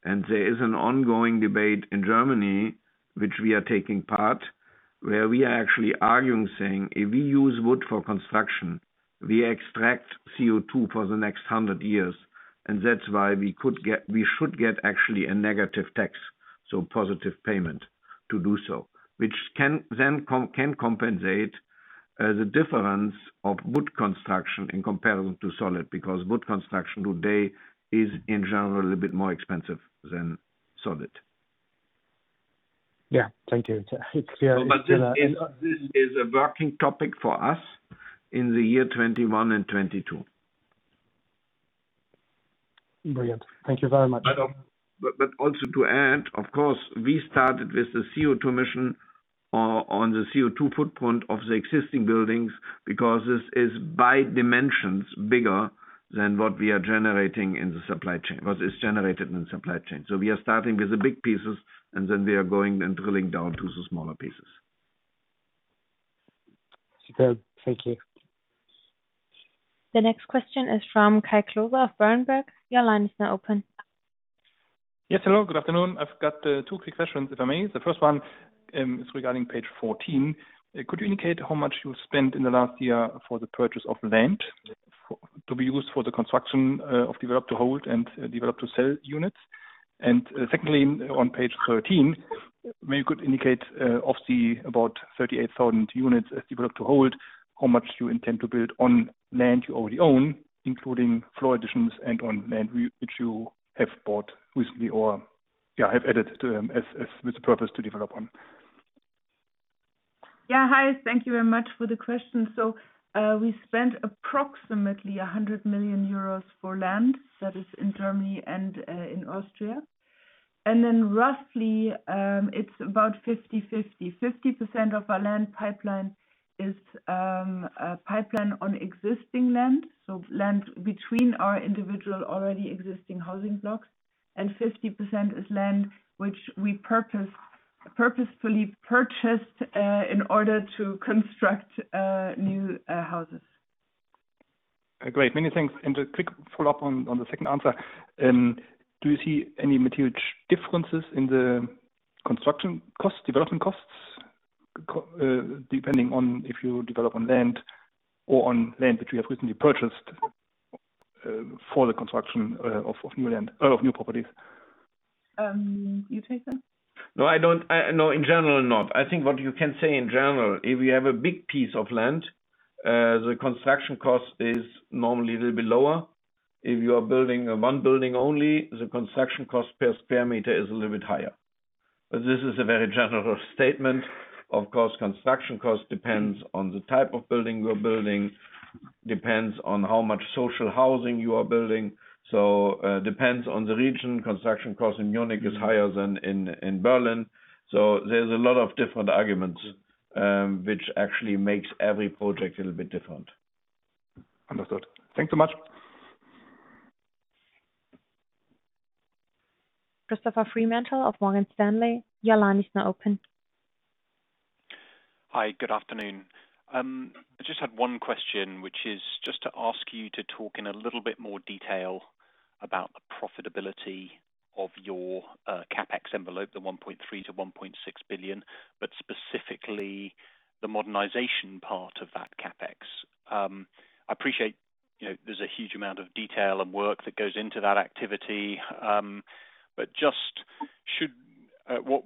There is an ongoing debate in Germany, which we are taking part, where we are actually arguing, saying, "If we use wood for construction, we extract CO2 for the next 100 years." That's why we should get actually a negative tax, so positive payment to do so, which can then compensate the difference of wood construction in comparison to solid, because wood construction today is in general a bit more expensive than solid. Yeah. Thank you. It's clear. This is a working topic for us in the year 2021 and 2022. Brilliant. Thank you very much. Also to add, of course, we started with the CO2 emission on the CO2 footprint of the existing buildings because this is by dimensions bigger than what we are generating in the supply chain, what is generated in the supply chain. We are starting with the big pieces, and then we are going and drilling down to the smaller pieces. Super. Thank you. The next question is from Kai Klose of Berenberg. Your line is now open. Yes. Hello, good afternoon. I've got two quick questions, if I may. The first one is regarding page 14. Could you indicate how much you spent in the last year for the purchase of land to be used for the construction of develop-to-hold and develop-to-sell units? Secondly, on page 13, maybe you could indicate of the about 38,000 units as develop-to-hold, how much you intend to build on land you already own, including floor additions and on land which you have bought recently or, yeah, have added to them as with the purpose to develop on. Yeah. Hi. Thank you very much for the question. We spent approximately 100 million euros for land, that is in Germany and in Austria. Roughly, it's about 50/50. 50% of our land pipeline is a pipeline on existing land, so land between our individual already existing housing blocks and 50% is land which we purposefully purchased in order to construct new houses. Great. Many thanks. A quick follow-up on the second answer. Do you see any material differences in the construction costs, development costs, depending on if you develop on land or on land that you have recently purchased for the construction of new properties? You take that? No, in general, not. I think what you can say in general, if you have a big piece of land, the construction cost is normally a little bit lower. If you are building one building only, the construction cost per sq m is a little bit higher. This is a very general statement. Of course, construction cost depends on the type of building you are building, depends on how much social housing you are building. Depends on the region. Construction cost in Munich is higher than in Berlin. There's a lot of different arguments, which actually makes every project a little bit different. Understood. Thanks so much. Christopher Fremantle of Morgan Stanley, your line is now open. Hi. Good afternoon. I just had one question, which is just to ask you to talk in a little bit more detail about the profitability of your CapEx envelope, the 1.3 billion-1.6 billion, but specifically the modernization part of that CapEx. I appreciate there's a huge amount of detail and work that goes into that activity.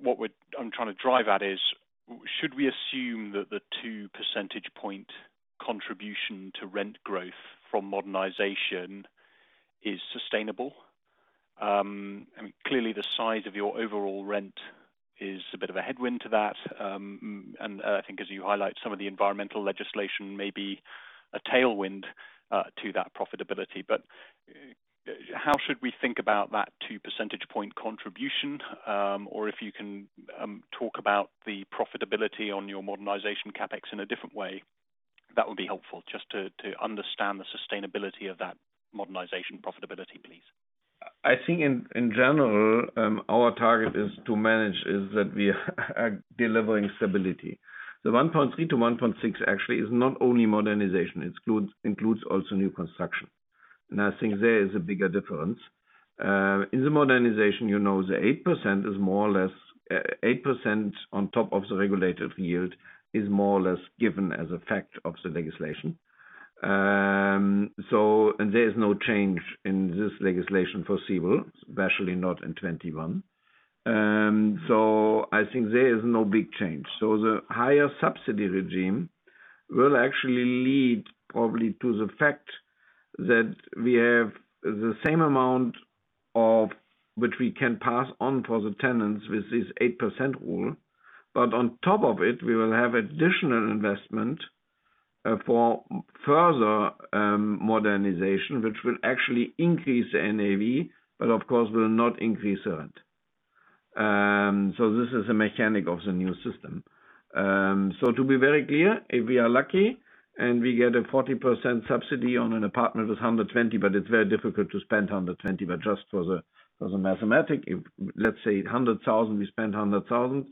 What I'm trying to drive at is, should we assume that the two percentage point contribution to rent growth from modernization is sustainable? Clearly, the size of your overall rent is a bit of a headwind to that. And I think as you highlight some of the environmental legislation may be a tailwind to that profitability. But how should we think about that two percentage point contribution? If you can talk about the profitability on your modernization CapEx in a different way, that would be helpful just to understand the sustainability of that modernization profitability, please. I think in general, our target is to manage is that we are delivering stability. The 1.3 billion-1.6 billion actually is not only modernization, it includes also new construction. I think there is a bigger difference. In the modernization, the 8% on top of the regulated yield is more or less given as a fact of the legislation. There is no change in this legislation foreseeable, especially not in 2021. I think there is no big change. The higher subsidy regime will actually lead probably to the fact that we have the same amount which we can pass on for the tenants with this 8% rule. On top of it, we will have additional investment for further modernization, which will actually increase the NAV, but of course, will not increase the rent. This is a mechanic of the new system. To be very clear, if we are lucky and we get a 40% subsidy on an apartment with 120,000, but it's very difficult to spend 120,000. Just for the mathematics, if let's say 100,000, we spend 100,000,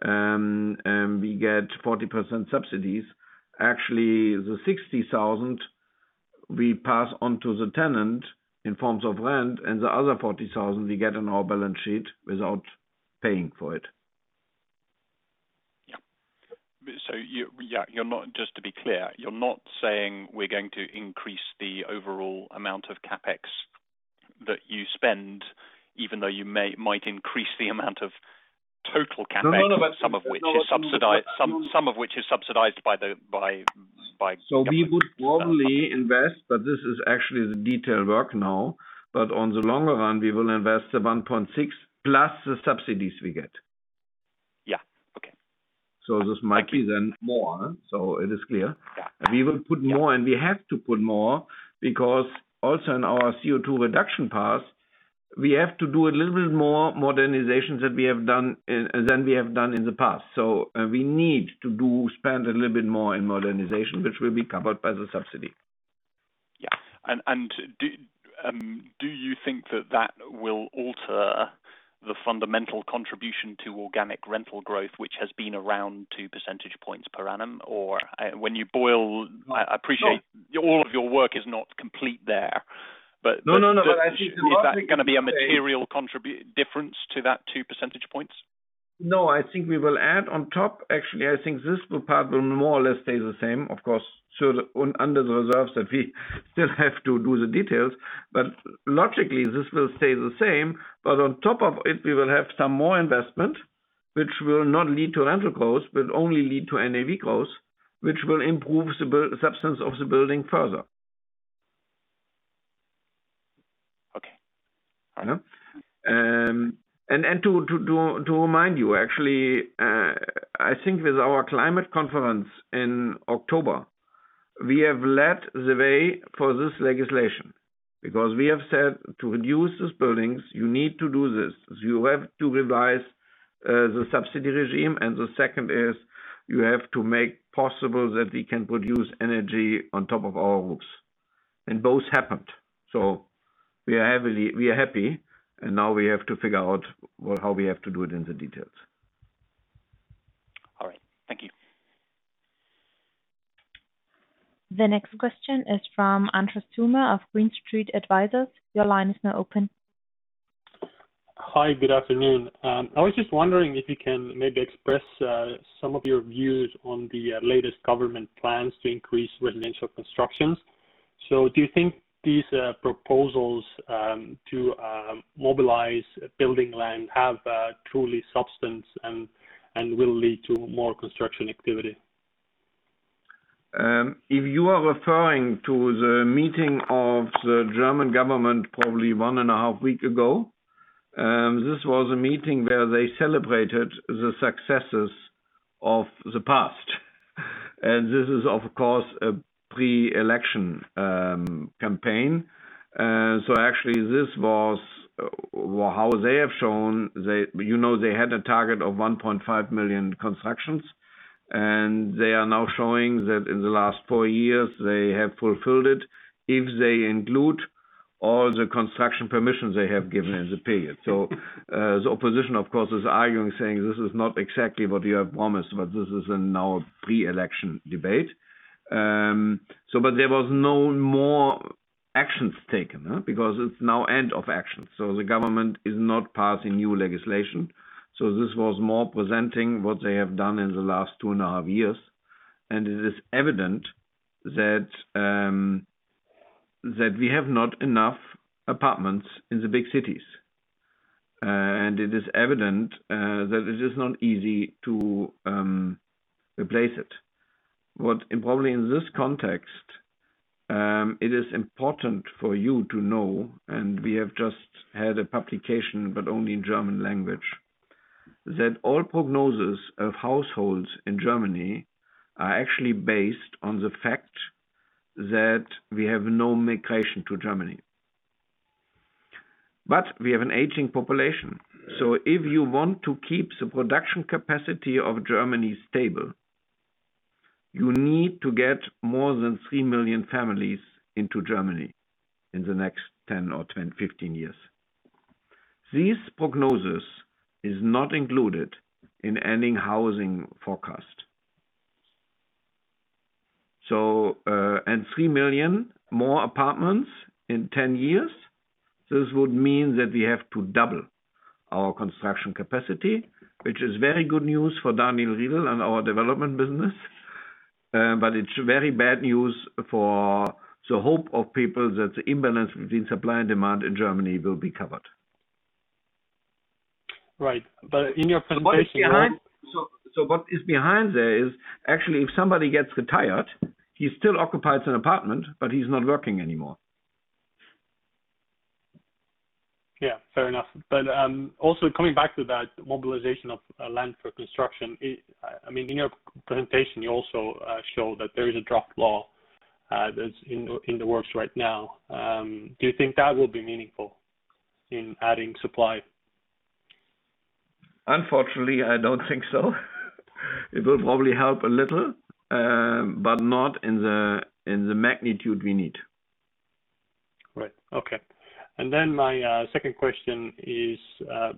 and we get 40% subsidies, actually the 60,000 we pass on to the tenant in forms of rent and the other 40,000 we get on our balance sheet without paying for it. Yeah. Just to be clear, you're not saying we're going to increase the overall amount of CapEx that you spend, even though you might increase the amount of total CapEx- No, no. some of which is subsidized by the government. We would probably invest, but this is actually the detailed work now. On the longer run, we will invest the 1.6 billion plus the subsidies we get. Yeah. Okay. This might be then more, it is clear. Yeah. We will put more, and we have to put more because also in our CO2 reduction path, we have to do a little bit more modernizations than we have done in the past. We need to spend a little bit more in modernization, which will be covered by the subsidy. Yeah. Do you think that that will alter the fundamental contribution to organic rental growth, which has been around two percentage points per annum? I appreciate all of your work is not complete there. No, no. I think logically. Is that going to be a material difference to that two percentage points? I think we will add on top. I think this part will more or less stay the same. Of course, under the reserves that we still have to do the details, logically, this will stay the same. On top of it, we will have some more investment, which will not lead to rental growth, will only lead to NAV growth, which will improve the substance of the building further. Okay. To remind you actually, I think with our climate conference in October, we have led the way for this legislation because we have said to reduce these buildings, you need to do this. You have to revise the subsidy regime. The second is you have to make possible that we can produce energy on top of our roofs. Both happened. We are happy, and now we have to figure out how we have to do it in the details. All right. Thank you. The next question is from Andres Toome of Green Street Advisors. Your line is now open. Hi, good afternoon. I was just wondering if you can maybe express some of your views on the latest government plans to increase residential constructions. Do you think these proposals to mobilize building land have true substance and will lead to more construction activity? If you are referring to the meeting of the German government, probably one and a half week ago, this was a meeting where they celebrated the successes of the past. This is, of course, a pre-election campaign. Actually, this was how they have shown. You know they had a target of 1.5 million constructions. They are now showing that in the last four years they have fulfilled it, if they include all the construction permissions they have given in the period. The opposition, of course, is arguing, saying this is not exactly what you have promised, but this is now a pre-election debate. There was no more actions taken, because it's now end of action. The government is not passing new legislation. This was more presenting what they have done in the last two and a half years. It is evident that we have not enough apartments in the big cities. It is evident that it is not easy to replace it. Probably in this context, it is important for you to know, and we have just had a publication, but only in German language, that all prognosis of households in Germany are actually based on the fact that we have no migration to Germany. We have an aging population. If you want to keep the production capacity of Germany stable, you need to get more than 3 million families into Germany in the next 10 or 15 years. These prognosis is not included in any housing forecast. 3 million more apartments in 10 years, this would mean that we have to double our construction capacity, which is very good news for Daniel Riedl and our development business, but it is very bad news for the hope of people that the imbalance between supply and demand in Germany will be covered. Right. In your presentation- What is behind there is actually if somebody gets retired, he still occupies an apartment, but he's not working anymore. Yeah, fair enough. Also coming back to that mobilization of land for construction. In your presentation, you also show that there is a draft law that's in the works right now. Do you think that will be meaningful in adding supply? Unfortunately, I don't think so. It will probably help a little, but not in the magnitude we need. Right. Okay. My second question is,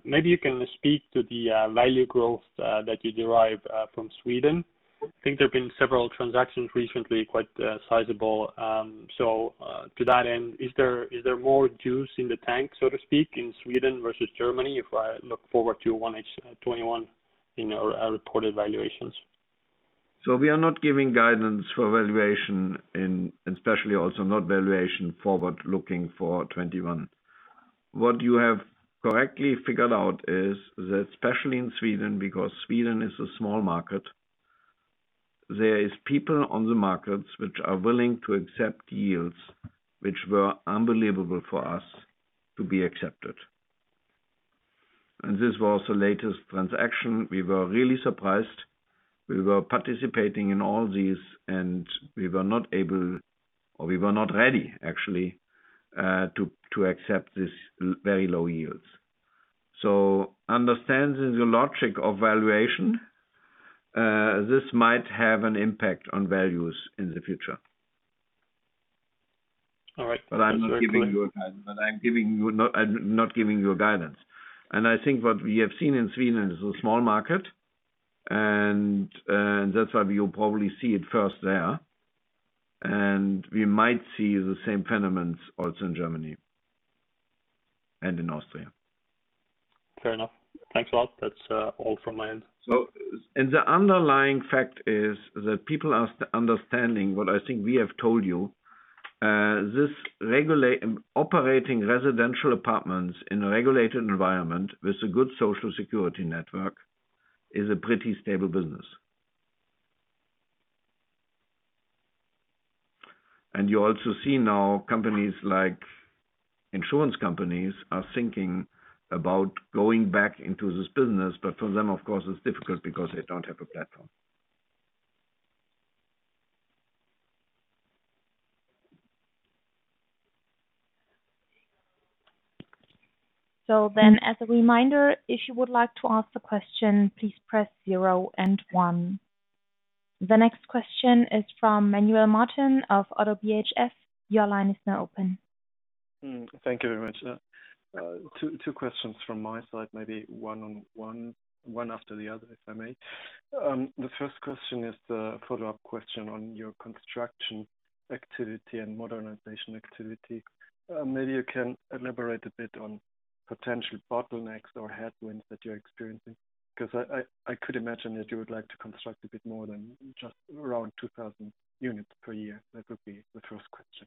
maybe you can speak to the value growth that you derive from Sweden. I think there have been several transactions recently, quite sizable. To that end, is there more juice in the tank, so to speak, in Sweden versus Germany if I look forward to 1H 2021 in our reported valuations? We are not giving guidance for valuation and especially also not valuation forward looking for 2021. What you have correctly figured out is that, especially in Sweden, because Sweden is a small market, there is people on the markets which are willing to accept yields which were unbelievable for us to be accepted. This was the latest transaction. We were really surprised. We were participating in all these, and we were not able or we were not ready, actually, to accept this very low yields. Understanding the logic of valuation, this might have an impact on values in the future. All right. That's very clear. I'm not giving you a guidance. I think what we have seen in Sweden is a small market, and that's why we will probably see it first there. We might see the same phenomenons also in Germany and in Austria. Fair enough. Thanks a lot. That's all from my end. The underlying fact is that people are understanding what I think we have told you. Operating residential apartments in a regulated environment with a good social security network is a pretty stable business. You also see now companies like insurance companies are thinking about going back into this business. For them, of course, it's difficult because they don't have a platform. As a reminder, if you would like to ask a question, please press zero and one. The next question is from Manuel Martin of ODDO BHF. Your line is now open. Thank you very much. Two questions from my side, maybe one after the other, if I may. The first question is the follow-up question on your construction activity and modernization activity. Maybe you can elaborate a bit on potential bottlenecks or headwinds that you're experiencing, because I could imagine that you would like to construct a bit more than just around 2,000 units per year. That would be the first question.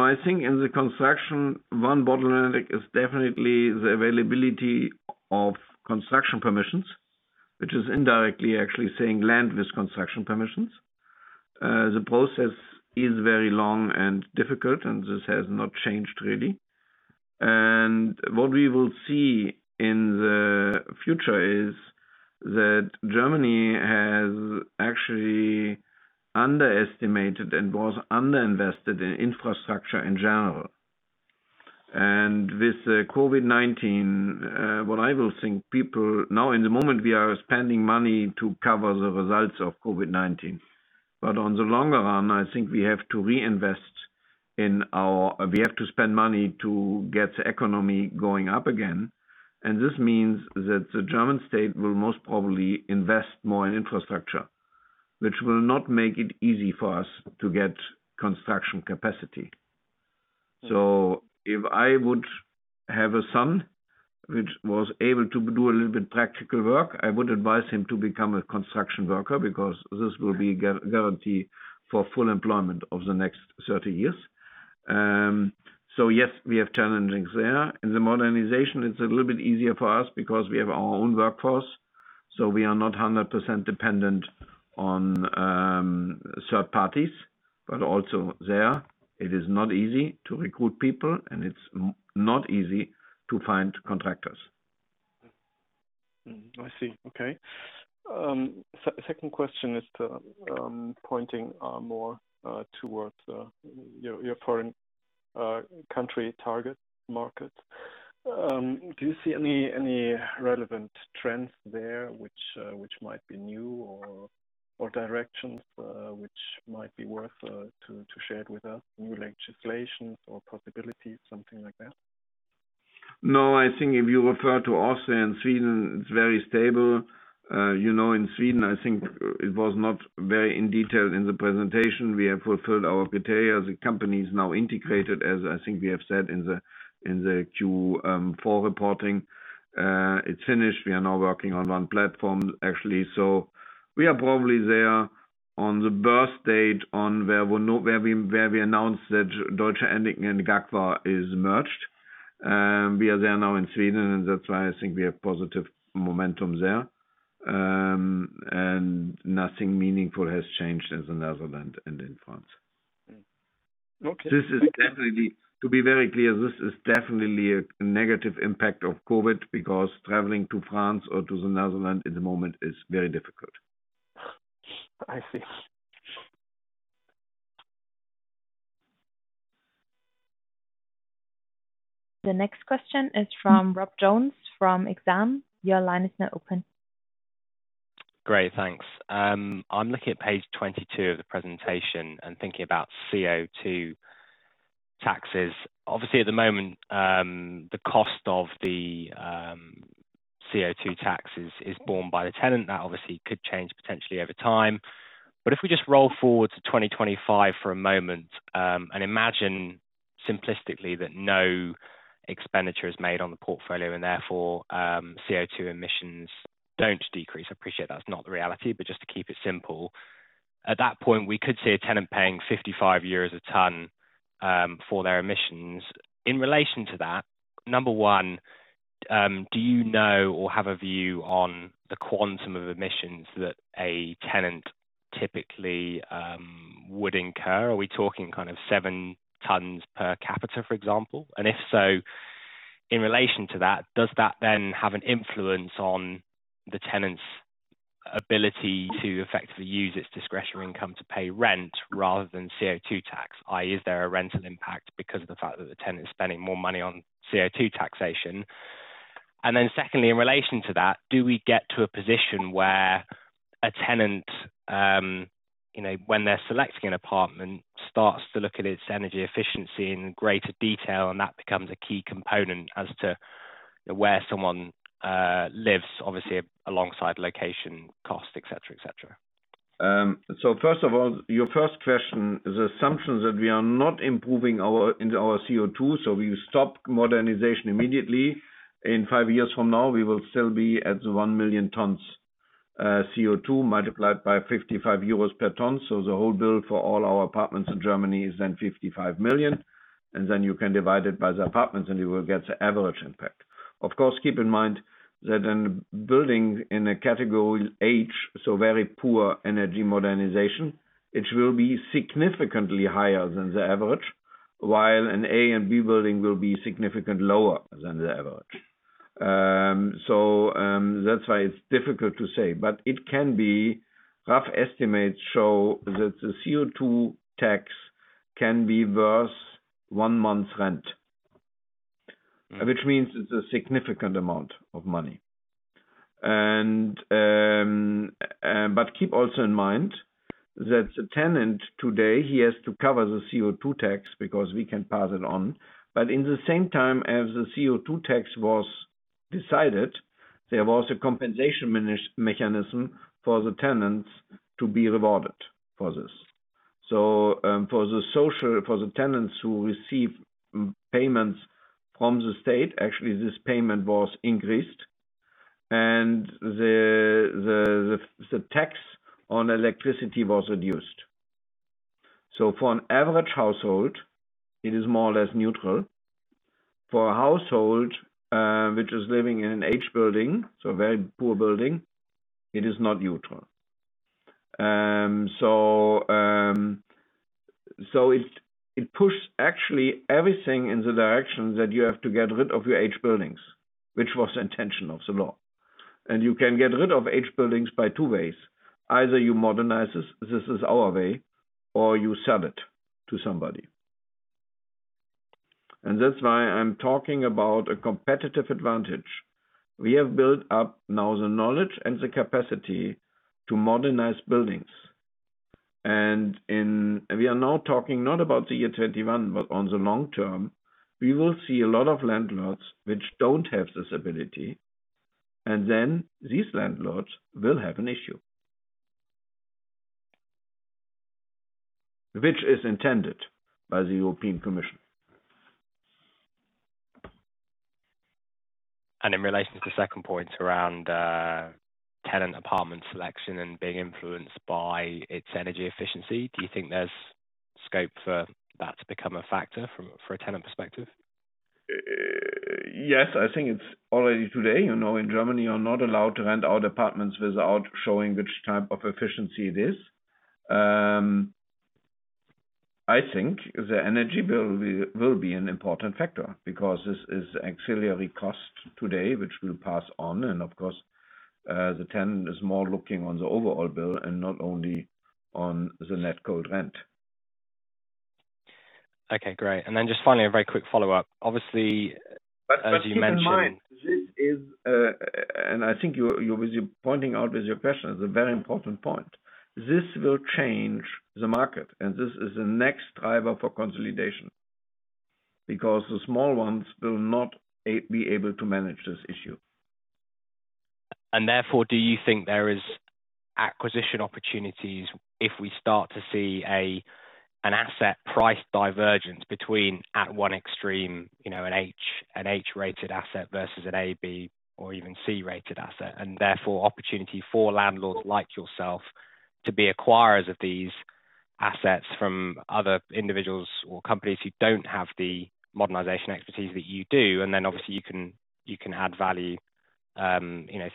I think in the construction, one bottleneck is definitely the availability of construction permissions, which is indirectly actually saying land with construction permissions. The process is very long and difficult, and this has not changed really. What we will see in the future is that Germany has actually underestimated and was under-invested in infrastructure in general. With COVID-19, what I will think people now in the moment, we are spending money to cover the results of COVID-19. On the longer run, I think we have to reinvest in our, we have to spend money to get the economy going up again. This means that the German state will most probably invest more in infrastructure, which will not make it easy for us to get construction capacity. If I would have a son which was able to do a little bit practical work, I would advise him to become a construction worker because this will be guarantee for full employment of the next 30 years. Yes, we have challenges there. In the modernization, it's a little bit easier for us because we have our own workforce, so we are not 100% dependent on third parties. Also there, it is not easy to recruit people, and it's not easy to find contractors. I see. Okay. Second question is pointing more towards your foreign country target markets. Do you see any relevant trends there which might be new or directions which might be worth to share with us, new legislations or possibilities, something like that? No, I think if you refer to Austria and Sweden, it's very stable. In Sweden, I think it was not very in detail in the presentation. We have fulfilled our criteria. The company is now integrated, as I think we have said in the Q4 reporting. It's finished. We are now working on one platform, actually. We are probably there on the birth date on where we announced that Deutsche Annington and GAGFAH is merged. We are there now in Sweden, and that's why I think we have positive momentum there. Nothing meaningful has changed as the Netherlands and in France. Okay. To be very clear, this is definitely a negative impact of COVID because traveling to France or to the Netherlands at the moment is very difficult. I see. The next question is from Rob Jones from Exane. Your line is now open. Great, thanks. I am looking at page 22 of the presentation and thinking about CO2 taxes. Obviously, at the moment, the cost of the CO2 taxes is borne by the tenant. That obviously could change potentially over time. If we just roll forward to 2025 for a moment and imagine simplistically that no expenditure is made on the portfolio and therefore CO2 emissions don't decrease. I appreciate that's not the reality, but just to keep it simple. At that point, we could see a tenant paying 55 euros a ton for their emissions. In relation to that, number one, do you know or have a view on the quantum of emissions that a tenant typically would incur? Are we talking kind of seven tons per capita, for example? If so, in relation to that, does that then have an influence on the tenant's ability to effectively use its discretion income to pay rent rather than CO2 tax? Is there a rental impact because of the fact that the tenant is spending more money on CO2 taxation? Secondly, in relation to that, do we get to a position where a tenant, when they're selecting an apartment, starts to look at its energy efficiency in greater detail, and that becomes a key component as to where someone lives, obviously, alongside location, cost, et cetera. First of all, your first question is assumption that we are not improving our CO2, we stop modernization immediately. In five years from now, we will still be at the 1 million tons CO2 multiplied by 55 euros per ton. The whole bill for all our apartments in Germany is then 55 million. You can divide it by the apartments and you will get the average impact. Of course, keep in mind that in building in a category H, very poor energy modernization, it will be significantly higher than the average, while an A and B building will be significant lower than the average. That's why it's difficult to say, but it can be rough estimates show that the CO2 tax can be worth 1 month's rent, which means it's a significant amount of money. Keep also in mind that the tenant today, he has to cover the CO2 tax because we can pass it on. In the same time as the CO2 tax was decided, there was a compensation mechanism for the tenants to be rewarded for this. For the tenants who receive payments from the state, actually, this payment was increased, and the tax on electricity was reduced. For an average household, it is more or less neutral. For a household which is living in an H building, so a very poor building, it is not neutral. It pushed actually everything in the direction that you have to get rid of your H buildings, which was the intention of the law. You can get rid of H buildings by two ways. Either you modernize it, this is our way, or you sell it to somebody. That's why I'm talking about a competitive advantage. We have built up now the knowledge and the capacity to modernize buildings. We are now talking not about the year 2021, but on the long term, we will see a lot of landlords which don't have this ability, and then these landlords will have an issue. Which is intended by the European Commission. In relation to the second point around tenant apartment selection and being influenced by its energy efficiency, do you think there's scope for that to become a factor from a tenant perspective? Yes, I think it's already today. In Germany, you're not allowed to rent out apartments without showing which type of efficiency it is. I think the energy bill will be an important factor because this is auxiliary cost today, which will pass on. Of course, the tenant is more looking on the overall bill and not only on the net cold rent. Okay, great. Then just finally, a very quick follow-up. Obviously, as you mentioned. Keep in mind, and I think you were pointing out with your question, it's a very important point. This will change the market, and this is the next driver for consolidation. The small ones will not be able to manage this issue. Therefore, do you think there is acquisition opportunities if we start to see an asset price divergence between, at one extreme, an H-rated asset versus an A, B, or even C-rated asset, and therefore opportunity for landlords like yourself to be acquirers of these assets from other individuals or companies who don't have the modernization expertise that you do, and then obviously you can add value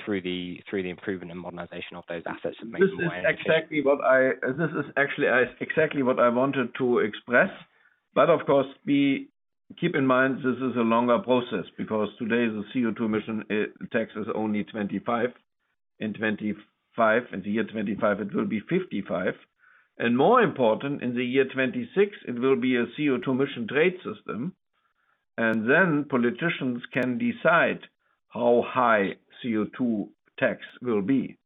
through the improvement and modernization of those assets and make them more energy-? This is actually exactly what I wanted to express. Of course, keep in mind, this is a longer process because today the CO2 emission tax is only 25. In the year 2025, it will be 55. More important, in the year 2026, it will be a CO2 emission trade system, and then politicians can decide how high CO2 tax will be.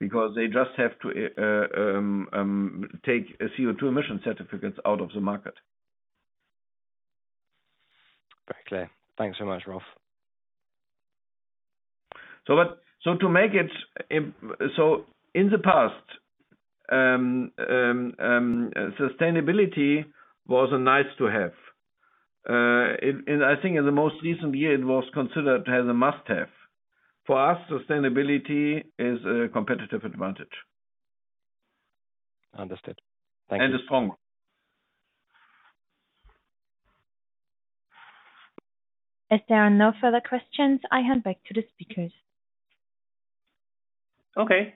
They just have to take CO2 emission certificates out of the market. Very clear. Thanks so much, Rolf. In the past, sustainability was a nice to have. I think in the most recent year, it was considered as a must-have. For us, sustainability is a competitive advantage. Understood. Thank you. A strong one. If there are no further questions, I hand back to the speakers. Okay.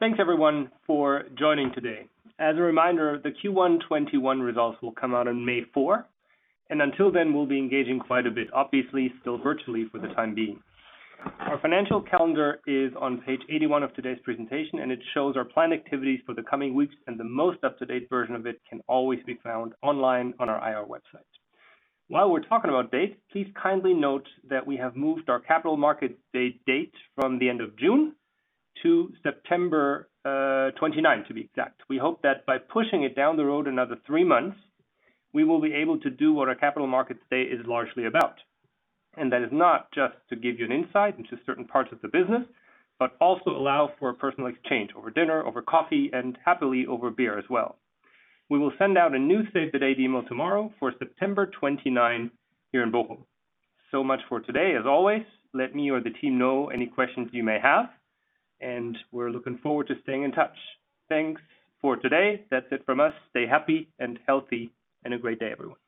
Thanks everyone for joining today. As a reminder, the Q1 2021 results will come out on May 4, and until then, we'll be engaging quite a bit, obviously still virtually for the time being. Our financial calendar is on page 81 of today's presentation, and it shows our planned activities for the coming weeks, and the most up-to-date version of it can always be found online on our IR website. While we're talking about dates, please kindly note that we have moved our capital market date from the end of June to September 29, to be exact. We hope that by pushing it down the road another three months, we will be able to do what our Capital Market Day is largely about. That is not just to give you an insight into certain parts of the business, but also allow for a personal exchange over dinner, over coffee, and happily over beer as well. We will send out a new save the date memo tomorrow for September 29 here in Bochum. Much for today. As always, let me or the team know any questions you may have, and we're looking forward to staying in touch. Thanks for today. That's it from us. Stay happy and healthy, and a great day, everyone.